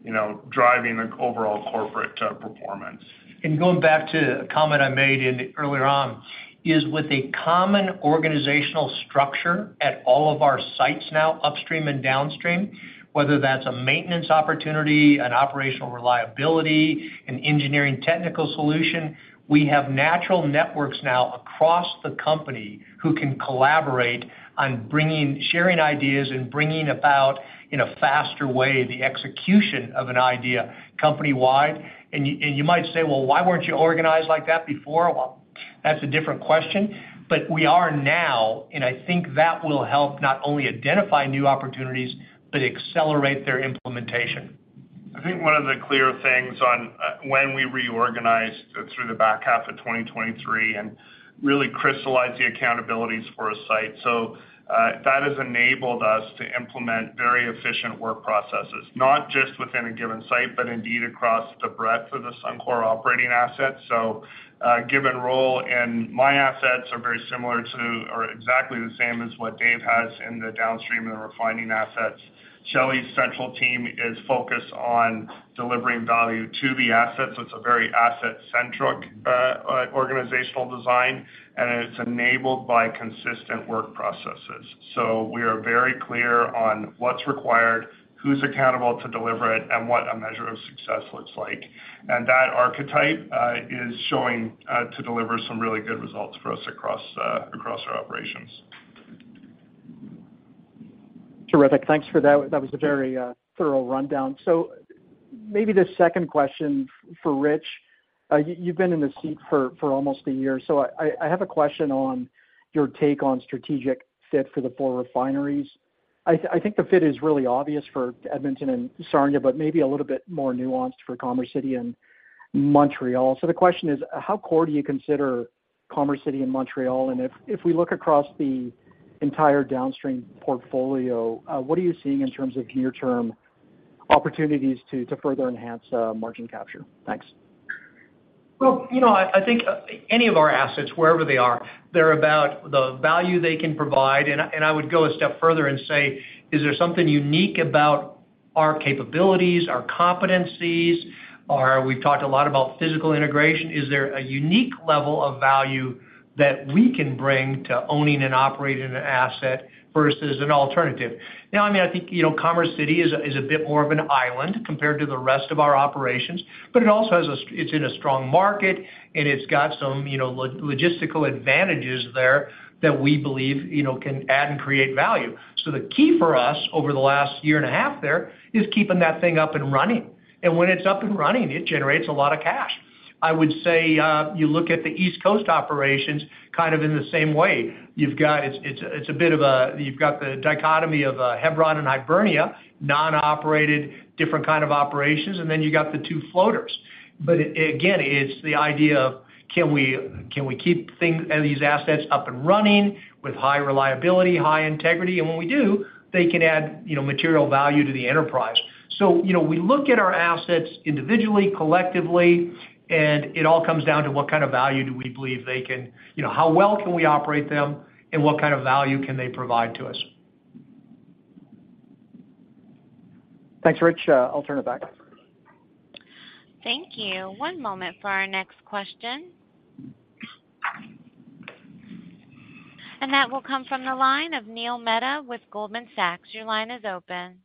G: you know, driving the overall corporate performance.
C: And going back to a comment I made earlier on, is with a common organizational structure at all of our sites now, upstream and downstream, whether that's a maintenance opportunity, an operational reliability, an engineering technical solution, we have natural networks now across the company who can collaborate on bringing, sharing ideas and bringing about, in a faster way, the execution of an idea company-wide. And you, and you might say, "Well, why weren't you organized like that before?" Well, that's a different question, but we are now, and I think that will help not only identify new opportunities, but accelerate their implementation.
G: I think one of the clear things on when we reorganized through the back half of 2023 and really crystallized the accountabilities for a site. So that has enabled us to implement very efficient work processes, not just within a given site, but indeed across the breadth of the Suncor operating assets. So given role in my assets are very similar to, or exactly the same as what Dave has in the downstream and the refining assets. Shelley's central team is focused on delivering value to the assets. It's a very asset-centric organizational design, and it's enabled by consistent work processes. So we are very clear on what's required, who's accountable to deliver it, and what a measure of success looks like. And that archetype is showing to deliver some really good results for us across our operations.
I: Terrific. Thanks for that. That was a very thorough rundown. So maybe the second question for Rich: You've been in the seat for almost a year, so I have a question on your take on strategic fit for the four refineries. I think the fit is really obvious for Edmonton and Sarnia, but maybe a little bit more nuanced for Commerce City and Montreal. So the question is, how core do you consider Commerce City and Montreal? And if we look across the entire downstream portfolio, what are you seeing in terms of near-term opportunities to further enhance margin capture? Thanks.
C: Well, you know, I think any of our assets, wherever they are, they're about the value they can provide. And I would go a step further and say, is there something unique about our capabilities, our competencies? Or we've talked a lot about physical integration, is there a unique level of value that we can bring to owning and operating an asset versus an alternative? Now, I mean, I think, you know, Commerce City is a bit more of an island compared to the rest of our operations, but it also has. It's in a strong market, and it's got some, you know, logistical advantages there that we believe, you know, can add and create value. So the key for us over the last year and a half there is keeping that thing up and running. When it's up and running, it generates a lot of cash. I would say, you look at the East Coast operations kind of in the same way. You've got the dichotomy of Hebron and Hibernia, non-operated, different kind of operations, and then you got the two floaters. But again, it's the idea of, can we keep things, these assets up and running with high reliability, high integrity? And when we do, they can add, you know, material value to the enterprise... So, you know, we look at our assets individually, collectively, and it all comes down to what kind of value do we believe they can, you know, how well can we operate them, and what kind of value can they provide to us?
I: Thanks, Rich. I'll turn it back.
A: Thank you. One moment for our next question. That will come from the line of Neil Mehta with Goldman Sachs. Your line is open.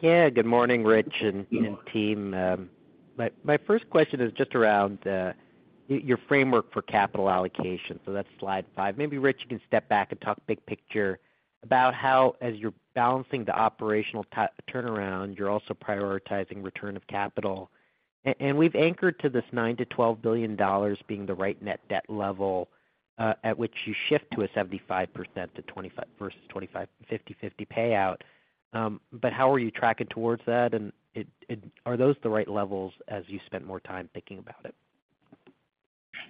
J: Yeah, good morning, Rich and team. My first question is just around your framework for capital allocation. So that's slide five. Maybe Rich, you can step back and talk big picture about how, as you're balancing the operational turnaround, you're also prioritizing return of capital. And we've anchored to this 9 billion-12 billion dollars being the right net debt level, at which you shift to a 75%-25% versus 25, 50/50 payout. But how are you tracking towards that? And are those the right levels as you spend more time thinking about it?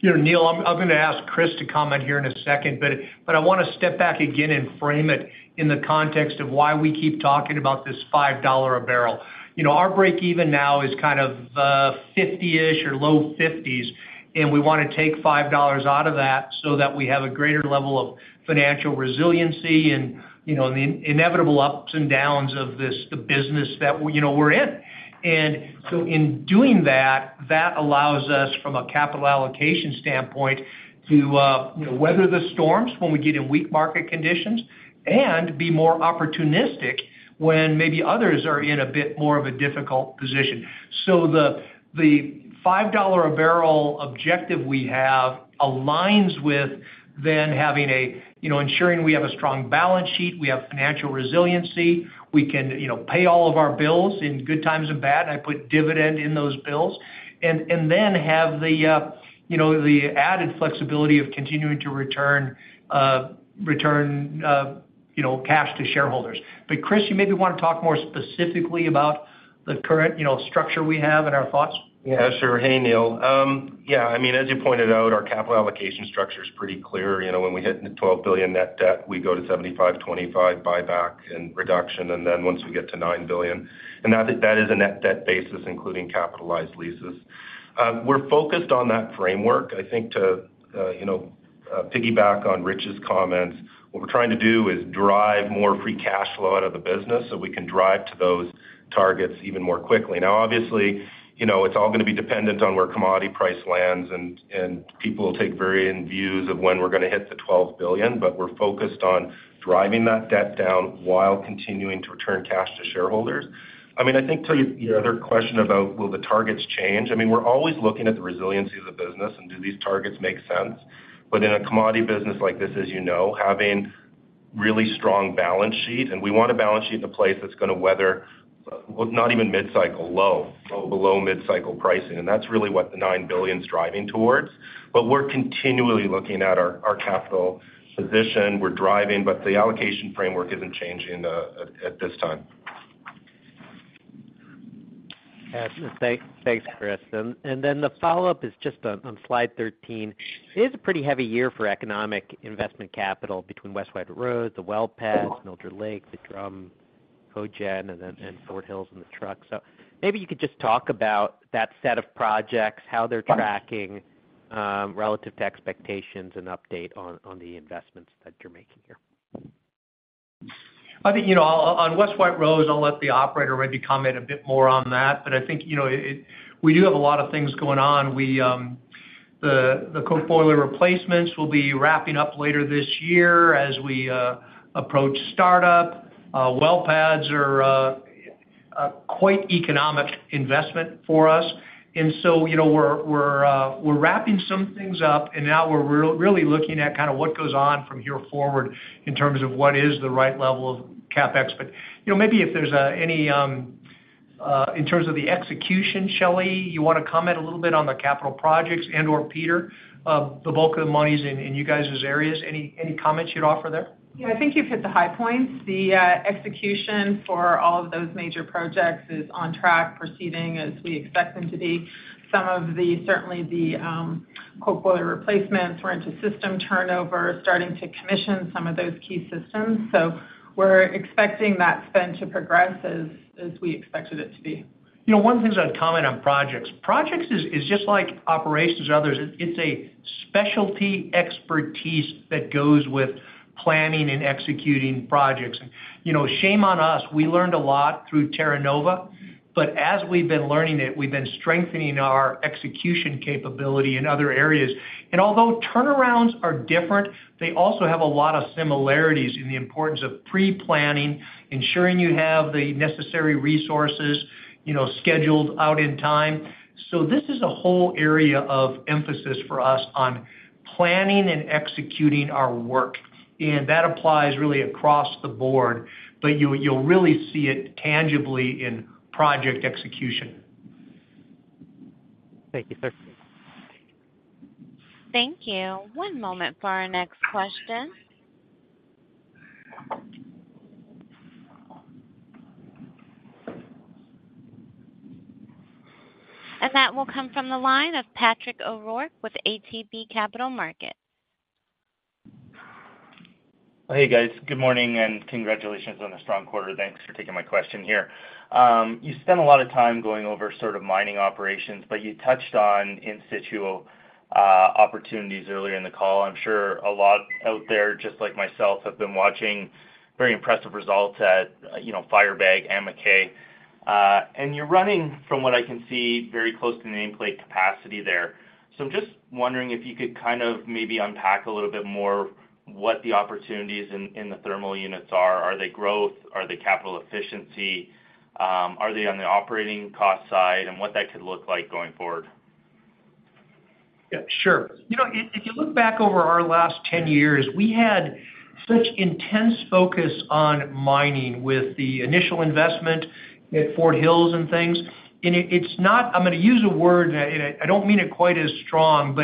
C: You know, Neil, I'm gonna ask Kris to comment here in a second, but I wanna step back again and frame it in the context of why we keep talking about this 5 dollar a barrel. You know, our break even now is kind of 50-ish or low 50s, and we wanna take 5 dollars out of that so that we have a greater level of financial resiliency and, you know, the inevitable ups and downs of this, the business that you know, we're in. And so in doing that, that allows us, from a capital allocation standpoint, to, you know, weather the storms when we get in weak market conditions and be more opportunistic when maybe others are in a bit more of a difficult position. So the CAD 5 a barrel objective we have aligns with then having a, you know, ensuring we have a strong balance sheet, we have financial resiliency, we can, you know, pay all of our bills in good times and bad. I put dividend in those bills, and, and then have the, you know, the added flexibility of continuing to return, you know, cash to shareholders. But Kris, you maybe want to talk more specifically about the current, you know, structure we have and our thoughts?
D: Yeah, sure. Hey, Neil. Yeah, I mean, as you pointed out, our capital allocation structure is pretty clear. You know, when we hit the 12 billion net debt, we go to 75, 25 buyback and reduction, and then once we get to 9 billion. And that is a net debt basis, including capitalized leases. We're focused on that framework. I think to, you know, piggyback on Rich's comments, what we're trying to do is drive more free cash flow out of the business, so we can drive to those targets even more quickly. Now, obviously, you know, it's all gonna be dependent on where commodity price lands, and people will take varying views of when we're gonna hit the 12 billion, but we're focused on driving that debt down while continuing to return cash to shareholders. I mean, I think to, you know, your other question about will the targets change? I mean, we're always looking at the resiliency of the business and do these targets make sense? But in a commodity business like this, as you know, having really strong balance sheet, and we want a balance sheet in a place that's gonna weather, well, not even mid-cycle, low, below mid-cycle pricing, and that's really what the 9 billion's driving towards. But we're continually looking at our, our capital position. We're driving, but the allocation framaework isn't changing, at, at this time.
J: Thanks, Kris. And then the follow-up is just on slide 13. It is a pretty heavy year for economic investment capital between West White Rose, the well pads, Mildred Lake, the Drum Cogen, and then Fort Hills and the trucks. So maybe you could just talk about that set of projects, how they're tracking relative to expectations, and update on the investments that you're making here.
C: I think, you know, on West White Rose, I'll let the operator maybe comment a bit more on that. But I think, you know, we do have a lot of things going on. We the coke boiler replacements will be wrapping up later this year as we approach startup. Well pads are a quite economic investment for us, and so, you know, we're wrapping some things up, and now we're really looking at kind of what goes on from here forward in terms of what is the right level of CapEx. But, you know, maybe if there's any in terms of the execution, Shelley, you wanna comment a little bit on the capital projects? And/or Peter, the bulk of the money is in you guys' areas. Any comments you'd offer there?
K: Yeah, I think you've hit the high points. The execution for all of those major projects is on track, proceeding as we expect them to be. Some of the, certainly the, coke boiler replacements. We're into system turnover, starting to commission some of those key systems, so we're expecting that spend to progress as we expected it to be.
C: You know, one thing I'd comment on projects. Projects is just like operations or others. It's a specialty expertise that goes with planning and executing projects. You know, shame on us, we learned a lot through Terra Nova, but as we've been learning it, we've been strengthening our execution capability in other areas. And although turnarounds are different, they also have a lot of similarities in the importance of pre-planning, ensuring you have the necessary resources, you know, scheduled out in time. So this is a whole area of emphasis for us on planning and executing our work, and that applies really across the board, but you, you'll really see it tangibly in project execution.
J: Thank you, sir.
A: Thank you. One moment for our next question. That will come from the line of Patrick O'Rourke with ATB Capital Markets.
L: Hey, guys. Good morning, and congratulations on a strong quarter. Thanks for taking my question here. You spent a lot of time going over sort of mining operations, but you touched on in situ opportunities earlier in the call. I'm sure a lot out there, just like myself, have been watching very impressive results at, you know, Firebag and MacKay. And you're running, from what I can see, very close to the nameplate capacity there. So I'm just wondering if you could kind of maybe unpack a little bit more what the opportunities in the thermal units are. Are they growth? Are they capital efficiency? Are they on the operating cost side, and what that could look like going forward?
C: Yeah, sure. You know, if you look back over our last 10 years, we had such intense focus on mining with the initial investment at Fort Hills and things. And it, it's not. I'm gonna use a word, and I don't mean it quite as strong,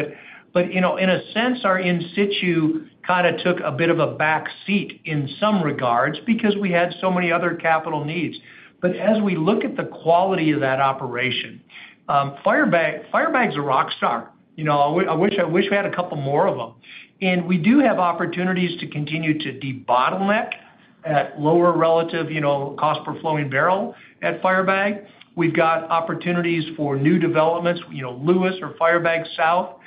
C: but you know, in a sense, our in situ kind of took a bit of a back seat in some regards because we had so many other capital needs. But as we look at the quality of that operation, Firebag, Firebag's a rock star. You know, I wish, I wish we had a couple more of them. And we do have opportunities to continue to debottleneck at lower relative, you know, cost per flowing barrel at Firebag. We've got opportunities for new developments, you know, Lewis or Firebag South.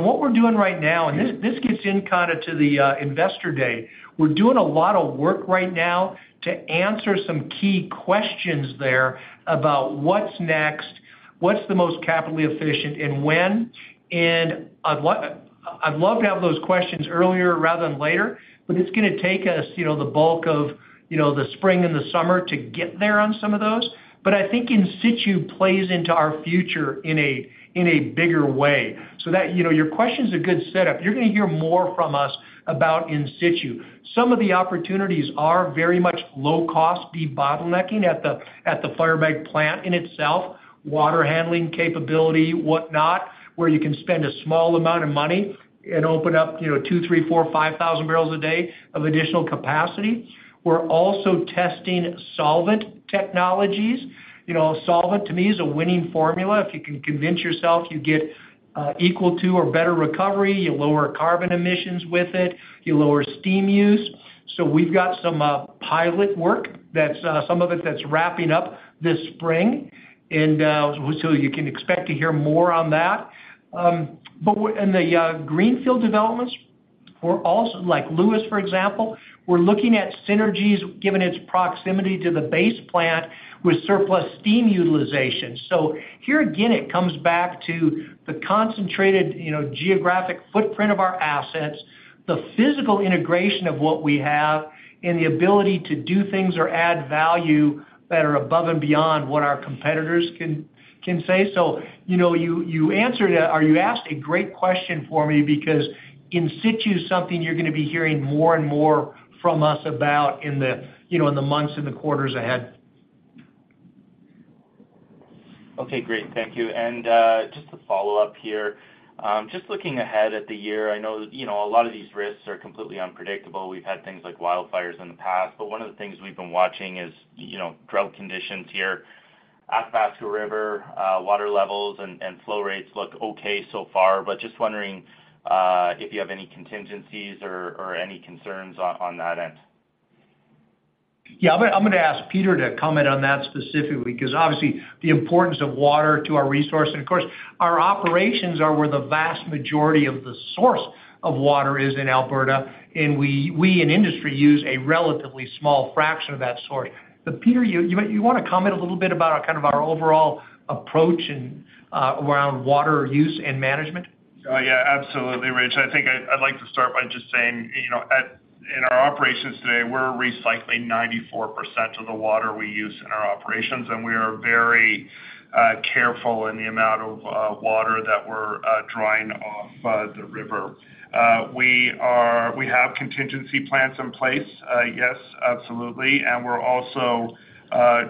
C: What we're doing right now, and this gets in kind of to the investor day, we're doing a lot of work right now to answer some key questions there about what's next, what's the most capitally efficient, and when. And I'd love to have those questions earlier rather than later, but it's gonna take us, you know, the bulk of, you know, the spring and the summer to get there on some of those. But I think in situ plays into our future in a bigger way. So that, you know, your question's a good setup. You're gonna hear more from us about in situ. Some of the opportunities are very much low cost, debottlenecking at the Firebag plant in itself, water handling capability, whatnot, where you can spend a small amount of money and open up, you know, 2,000, 3,000, 4,000, 5,000 barrels a day of additional capacity. We're also testing solvent technologies. You know, solvent, to me, is a winning formula. If you can convince yourself you get equal to or better recovery, you lower carbon emissions with it, you lower steam use. So we've got some pilot work that's some of it that's wrapping up this spring, and so you can expect to hear more on that. But we're and the greenfield developments, we're also like Lewis, for example, we're looking at synergies, given its proximity to the Base Plant with surplus steam utilization. So here again, it comes back to the concentrated, you know, geographic footprint of our assets, the physical integration of what we have, and the ability to do things or add value that are above and beyond what our competitors can say. So, you know, you answered or you asked a great question for me because in situ is something you're gonna be hearing more and more from us about in the, you know, in the months and the quarters ahead.
L: Okay, great. Thank you. Just to follow up here, just looking ahead at the year, I know, you know, a lot of these risks are completely unpredictable. We've had things like wildfires in the past, but one of the things we've been watching is, you know, drought conditions here. Athabasca River water levels and flow rates look okay so far, but just wondering if you have any contingencies or any concerns on that end?
C: Yeah. I'm gonna ask Peter to comment on that specifically, because obviously, the importance of water to our resource, and of course, our operations are where the vast majority of the source of water is in Alberta, and we in industry use a relatively small fraction of that source. But Peter, you want to comment a little bit about kind of our overall approach and around water use and management?
G: Yeah, absolutely, Rich. I think I'd like to start by just saying, you know, at-- in our operations today, we're recycling 94% of the water we use in our operations, and we are very careful in the amount of water that we're drawing off the river. We have contingency plans in place, yes, absolutely. And we're also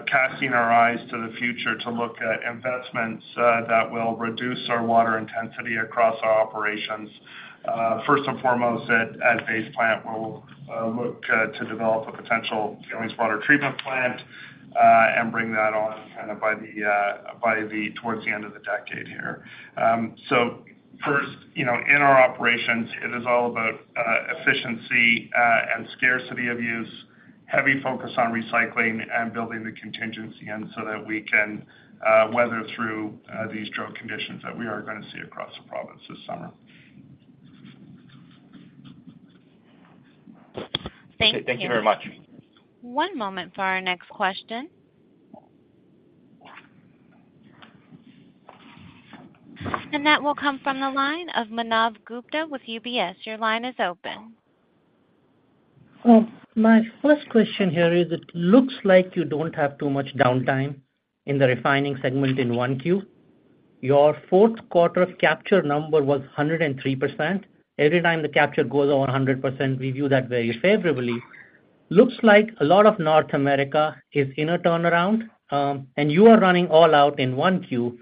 G: casting our eyes to the future to look at investments that will reduce our water intensity across our operations. First and foremost, at Base Plant, we'll look to develop a potential water treatment plant and bring that on kind of by the towards the end of the decade here. So first, you know, in our operations, it is all about efficiency and scarcity of use, heavy focus on recycling and building the contingency in, so that we can weather through these drought conditions that we are gonna see across the province this summer.
A: Thank you.
G: Thank you very much.
A: One moment for our next question. That will come from the line of Manav Gupta with UBS. Your line is open.
M: My first question here is, it looks like you don't have too much downtime in the refining segment in 1Q. Your fourth quarter capture number was 103%. Every time the capture goes over 100%, we view that very favorably. Looks like a lot of North America is in a turnaround, and you are running all out in 1Q.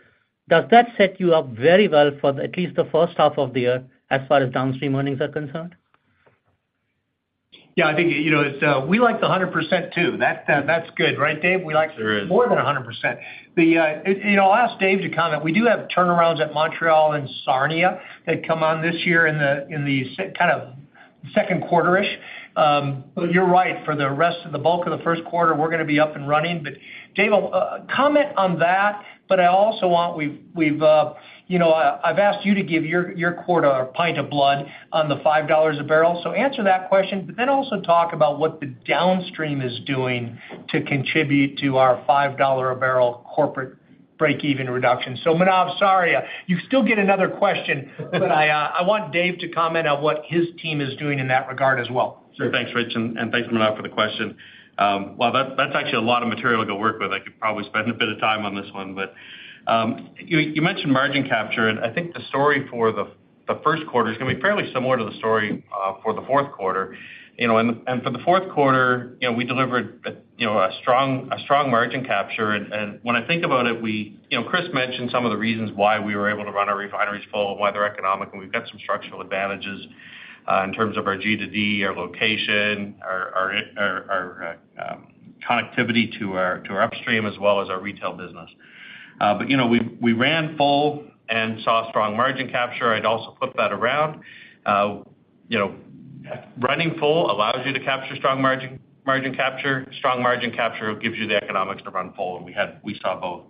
M: Does that set you up very well for at least the first half of the year, as far as downstream earnings are concerned?
C: Yeah, I think, you know, it's, we like the 100%, too. That's, that's good, right, Dave?
N: Sure is.
C: We like more than 100%. You know, I'll ask Dave to comment. We do have turnarounds at Montreal and Sarnia that come on this year in the second quarter-ish. But you're right, for the rest of the bulk of the first quarter, we're gonna be up and running. But Dave, comment on that, but I also want. I've asked you to give your quarter a pint of blood on the 5 dollars a barrel. So answer that question, but then also talk about what the downstream is doing to contribute to our 5 dollar a barrel corporate breakeven reduction. So Manav, sorry, you still get another question, but I want Dave to comment on what his team is doing in that regard as well.
N: Sure. Thanks, Rich, and thanks, Manav, for the question. Well, that's actually a lot of material to go work with. I could probably spend a bit of time on this one. But you mentioned margin capture, and I think the story for the first quarter is gonna be fairly similar to the story for the fourth quarter. You know, and for the fourth quarter, you know, we delivered a strong margin capture. And when I think about it, we, you know, Kris mentioned some of the reasons why we were able to run our refineries full and why they're economic, and we've got some structural advantages in terms of our G-to-D, our location, our connectivity to our upstream, as well as our retail business. But, you know, we ran full and saw strong margin capture. I'd also flip that around. You know, running full allows you to capture strong margin capture. Strong margin capture gives you the economics to run full, and we had. We saw both.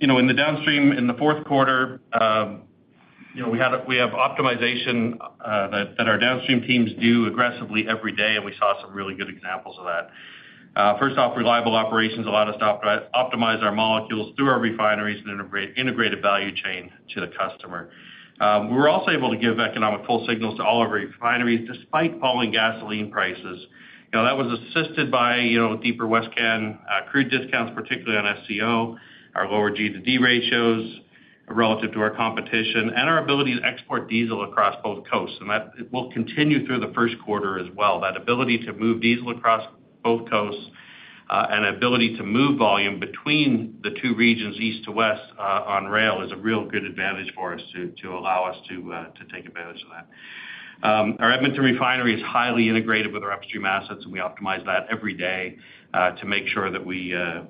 N: You know, in the downstream, in the fourth quarter, you know, we have optimization that our downstream teams do aggressively every day, and we saw some really good examples of that. First off, reliable operations allowed us to optimize our molecules through our refineries and integrated value chain to the customer. We were also able to give economic full signals to all of our refineries, despite falling gasoline prices. You know, that was assisted by, you know, deeper West Can crude discounts, particularly on SCO, our lower G-to-D ratios relative to our competition, and our ability to export diesel across both coasts. And that it will continue through the first quarter as well. That ability to move diesel across both coasts, and ability to move volume between the two regions, east to west on rail, is a real good advantage for us to allow us to take advantage of that. Our Edmonton refinery is highly integrated with our upstream assets, and we optimize that every day to make sure that we,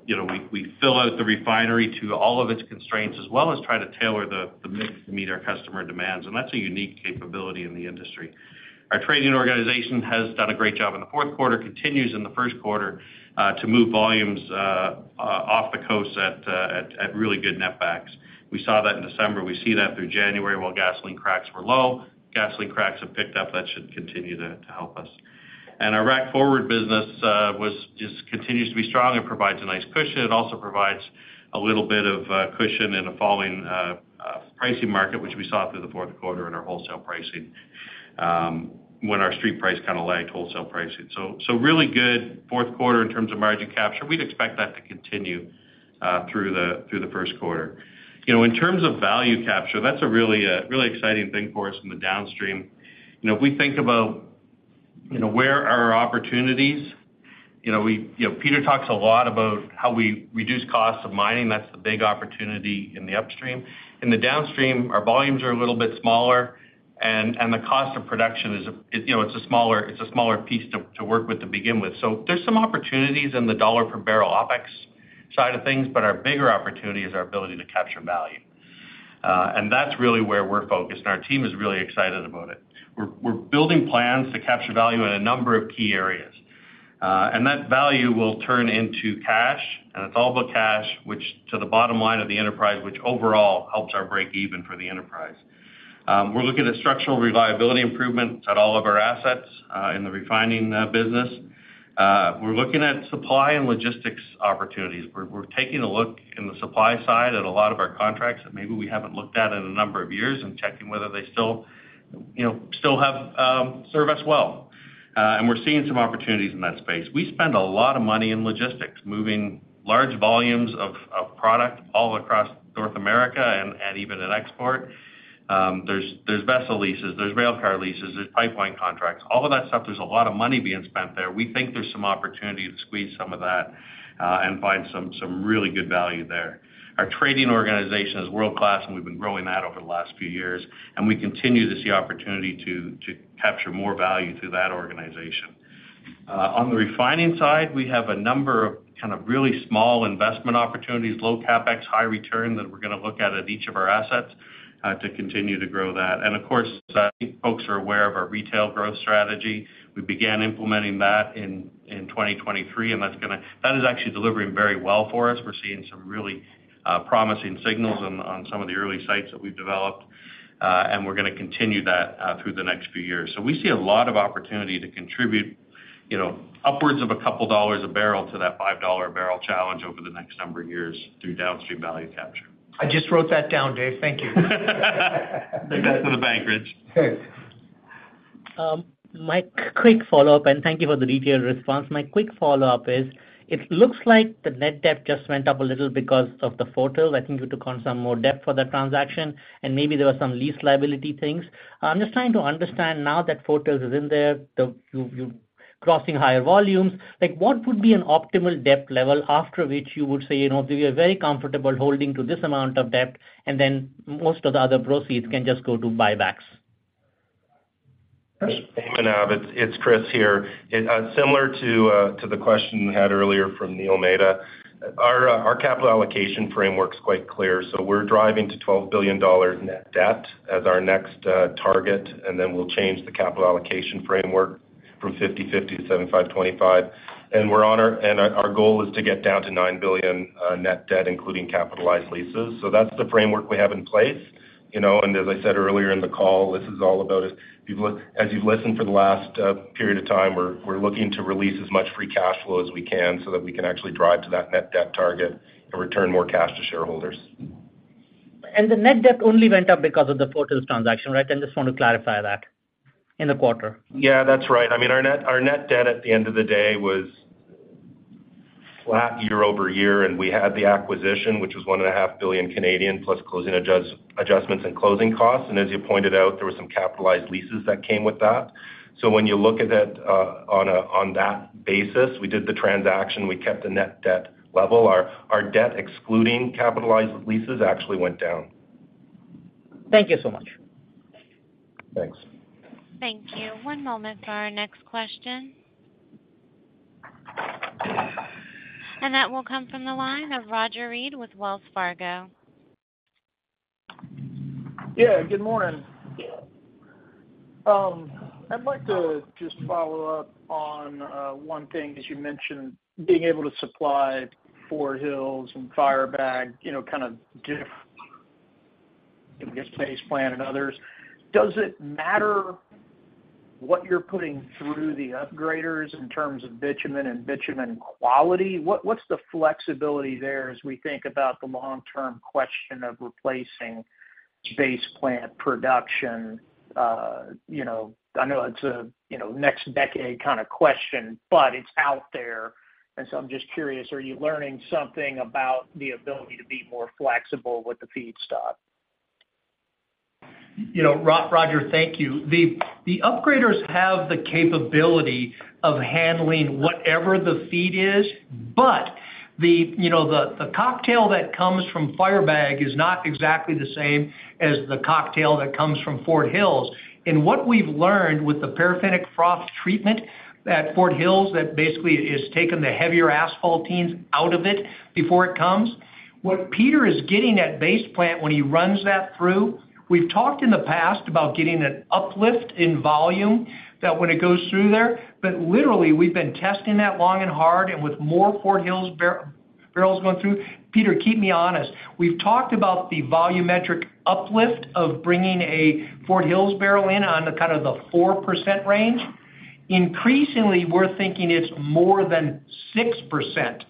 N: you know, we fill out the refinery to all of its constraints, as well as try to tailor the mix to meet our customer demands, and that's a unique capability in the industry. Our trading organization has done a great job in the fourth quarter, continues in the first quarter to move volumes off the coast at really good netbacks. We saw that in December. We see that through January, while gasoline cracks were low. Gasoline cracks have picked up. That should continue to help us. And our Rack Forward business just continues to be strong and provides a nice cushion. It also provides a little bit of cushion in a falling pricing market, which we saw through the fourth quarter in our wholesale pricing, when our street price kind of lagged wholesale pricing. So really good fourth quarter in terms of margin capture. We'd expect that to continue through the first quarter. You know, in terms of value capture, that's a really, really exciting thing for us in the downstream. You know, if we think about, you know, where are our opportunities, you know, we you know, Peter talks a lot about how we reduce costs of mining. That's the big opportunity in the upstream. In the downstream, our volumes are a little bit smaller, and the cost of production is, you know, it's a smaller piece to work with to begin with. So there's some opportunities in the dollar per barrel OpEx side of things, but our bigger opportunity is our ability to capture value. And that's really where we're focused, and our team is really excited about it. We're building plans to capture value in a number of key areas, and that value will turn into cash, and it's all about cash, which to the bottom line of the enterprise, which overall helps our break even for the enterprise. We're looking at structural reliability improvements at all of our assets in the refining business. We're looking at supply and logistics opportunities. We're taking a look in the supply side at a lot of our contracts that maybe we haven't looked at in a number of years and checking whether they still, you know, still have serve us well. And we're seeing some opportunities in that space. We spend a lot of money in logistics, moving large volumes of product all across North America and even in export. There's vessel leases, there's rail car leases, there's pipeline contracts. All of that stuff, there's a lot of money being spent there. We think there's some opportunity to squeeze some of that, and find some really good value there. Our trading organization is world-class, and we've been growing that over the last few years, and we continue to see opportunity to capture more value through that organization. On the refining side, we have a number of kind of really small investment opportunities, low CapEx, high return, that we're gonna look at at each of our assets, to continue to grow that. And of course, I think folks are aware of our retail growth strategy. We began implementing that in 2023, and that's gonna-- that is actually delivering very well for us. We're seeing some really promising signals on some of the early sites that we've developed, and we're gonna continue that through the next few years. So we see a lot of opportunity to contribute, you know, upwards of a couple of dollars a barrel to that 5 dollar a barrel challenge over the next number of years through downstream value capture.
C: I just wrote that down, Dave. Thank you.
N: Take that to the bank, Rich.
C: Okay.
M: My quick follow-up, and thank you for the detailed response. My quick follow-up is, it looks like the net debt just went up a little because of the Fort Hills. I think you took on some more debt for that transaction, and maybe there were some lease liability things. I'm just trying to understand now that Fort Hills is in there, you crossing higher volumes. Like, what would be an optimal debt level after which you would say, you know, we are very comfortable holding to this amount of debt, and then most of the other proceeds can just go to buybacks?
D: Hey, Manav, it's Kris here. Similar to the question you had earlier from Neil Mehta.Our capital allocation framework's quite clear, so we're driving to 12 billion dollars net debt as our next target, and then we'll change the capital allocation framework from 50/50 to 75/25. And our goal is to get down to 9 billion net debt, including capitalized leases. So that's the framework we have in place, you know, and as I said earlier in the call, this is all about as you've listened for the last period of time, we're looking to release as much free cash flow as we can so that we can actually drive to that net debt target and return more cash to shareholders.
M: The net debt only went up because of the Fort Hills transaction, right? I just want to clarify that in the quarter.
D: Yeah, that's right. I mean, our net, our net debt at the end of the day was flat year-over-year, and we had the acquisition, which was 1.5 billion, plus closing adjustments and closing costs. As you pointed out, there were some capitalized leases that came with that. When you look at it on that basis, we did the transaction, we kept the net debt level. Our, our debt, excluding capitalized leases, actually went down.
M: Thank you so much.
D: Thanks.
A: Thank you. One moment for our next question. That will come from the line of Roger Read with Wells Fargo.
O: Yeah, good morning. I'd like to just follow up on one thing, as you mentioned, being able to supply Fort Hills and Firebag, you know, kind of different, I guess, Base Plant and others. Does it matter what you're putting through the upgraders in terms of bitumen and bitumen quality? What's the flexibility there as we think about the long-term question of replacing Base Plant production? You know, I know it's a, you know, next decade kind of question, but it's out there. And so I'm just curious, are you learning something about the ability to be more flexible with the feedstock?
C: You know, Roger, thank you. The upgraders have the capability of handling whatever the feed is, but you know, the cocktail that comes from Firebag is not exactly the same as the cocktail that comes from Fort Hills. And what we've learned with the Paraffinic Froth Treatment at Fort Hills, that basically has taken the heavier asphaltenes out of it before it comes. What Peter is getting at Base Plant when he runs that through, we've talked in the past about getting an uplift in volume, that when it goes through there, but literally, we've been testing that long and hard and with more Fort Hills barrels going through. Peter, keep me honest. We've talked about the volumetric uplift of bringing a Fort Hills barrel in on the kind of the 4% range. Increasingly, we're thinking it's more than 6%.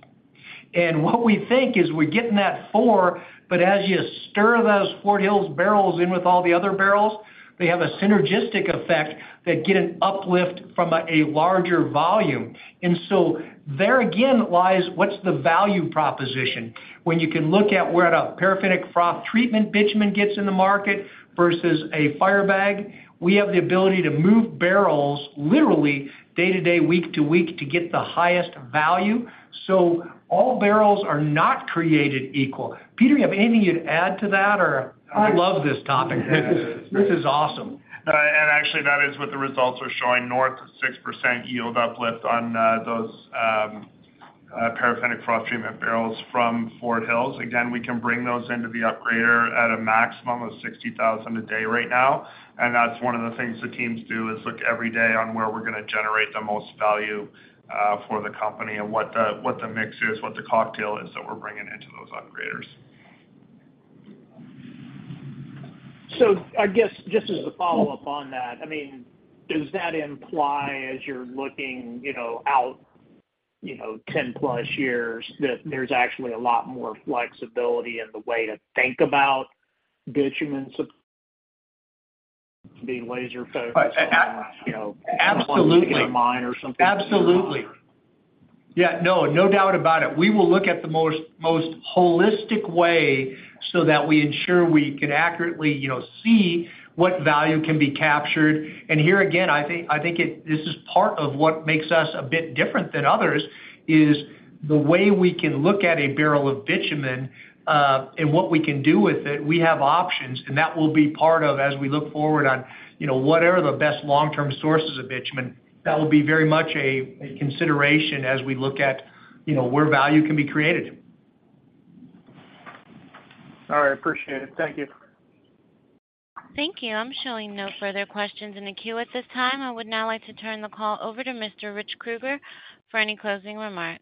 C: And what we think is we're getting that four, but as you stir those Fort Hills barrels in with all the other barrels, they have a synergistic effect that get an uplift from a, a larger volume. And so there again, lies what's the value proposition? When you can look at where a Paraffinic Froth Treatment bitumen gets in the market versus a Firebag, we have the ability to move barrels literally day to day, week to week, to get the highest value. So all barrels are not created equal. Peter, you have anything you'd add to that, or? I love this topic. This is awesome.
G: And actually, that is what the results are showing, north of 6% yield uplift on those Paraffinic Froth Treatment barrels from Fort Hills. Again, we can bring those into the upgrader at a maximum of 60,000 a day right now, and that's one of the things the teams do, is look every day on where we're gonna generate the most value for the company and what the, what the mix is, what the cocktail is that we're bringing into those upgraders.
O: I guess, just as a follow-up on that, I mean, does that imply, as you're looking, you know, out, you know, 10+ years, that there's actually a lot more flexibility in the way to think about bitumen being laser focused on, you know-
C: Absolutely.
O: ...Mine or something?
C: Absolutely. Yeah, no, no doubt about it. We will look at the most, most holistic way so that we ensure we can accurately, you know, see what value can be captured. And here again, I think, I think it, this is part of what makes us a bit different than others, is the way we can look at a barrel of bitumen, and what we can do with it. We have options, and that will be part of as we look forward on, you know, what are the best long-term sources of bitumen. That will be very much a consideration as we look at, you know, where value can be created.
O: All right, appreciate it. Thank you.
A: Thank you. I'm showing no further questions in the queue at this time. I would now like to turn the call over to Mr. Rich Kruger for any closing remarks.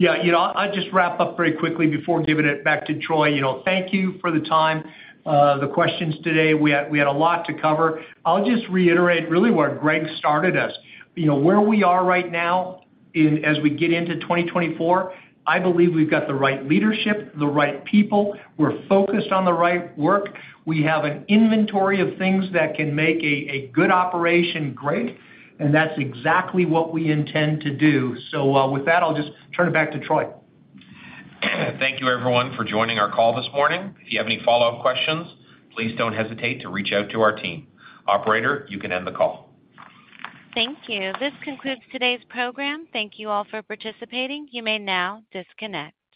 C: Yeah, you know, I'll just wrap up very quickly before giving it back to Troy. You know, thank you for the time, the questions today. We had a lot to cover. I'll just reiterate really where Greg started us. You know, where we are right now in—as we get into 2024, I believe we've got the right leadership, the right people. We're focused on the right work. We have an inventory of things that can make a good operation great, and that's exactly what we intend to do. So, with that, I'll just turn it back to Troy.
B: Thank you, everyone, for joining our call this morning. If you have any follow-up questions, please don't hesitate to reach out to our team. Operator, you can end the call.
A: Thank you. This concludes today's program. Thank you all for participating. You may now disconnect.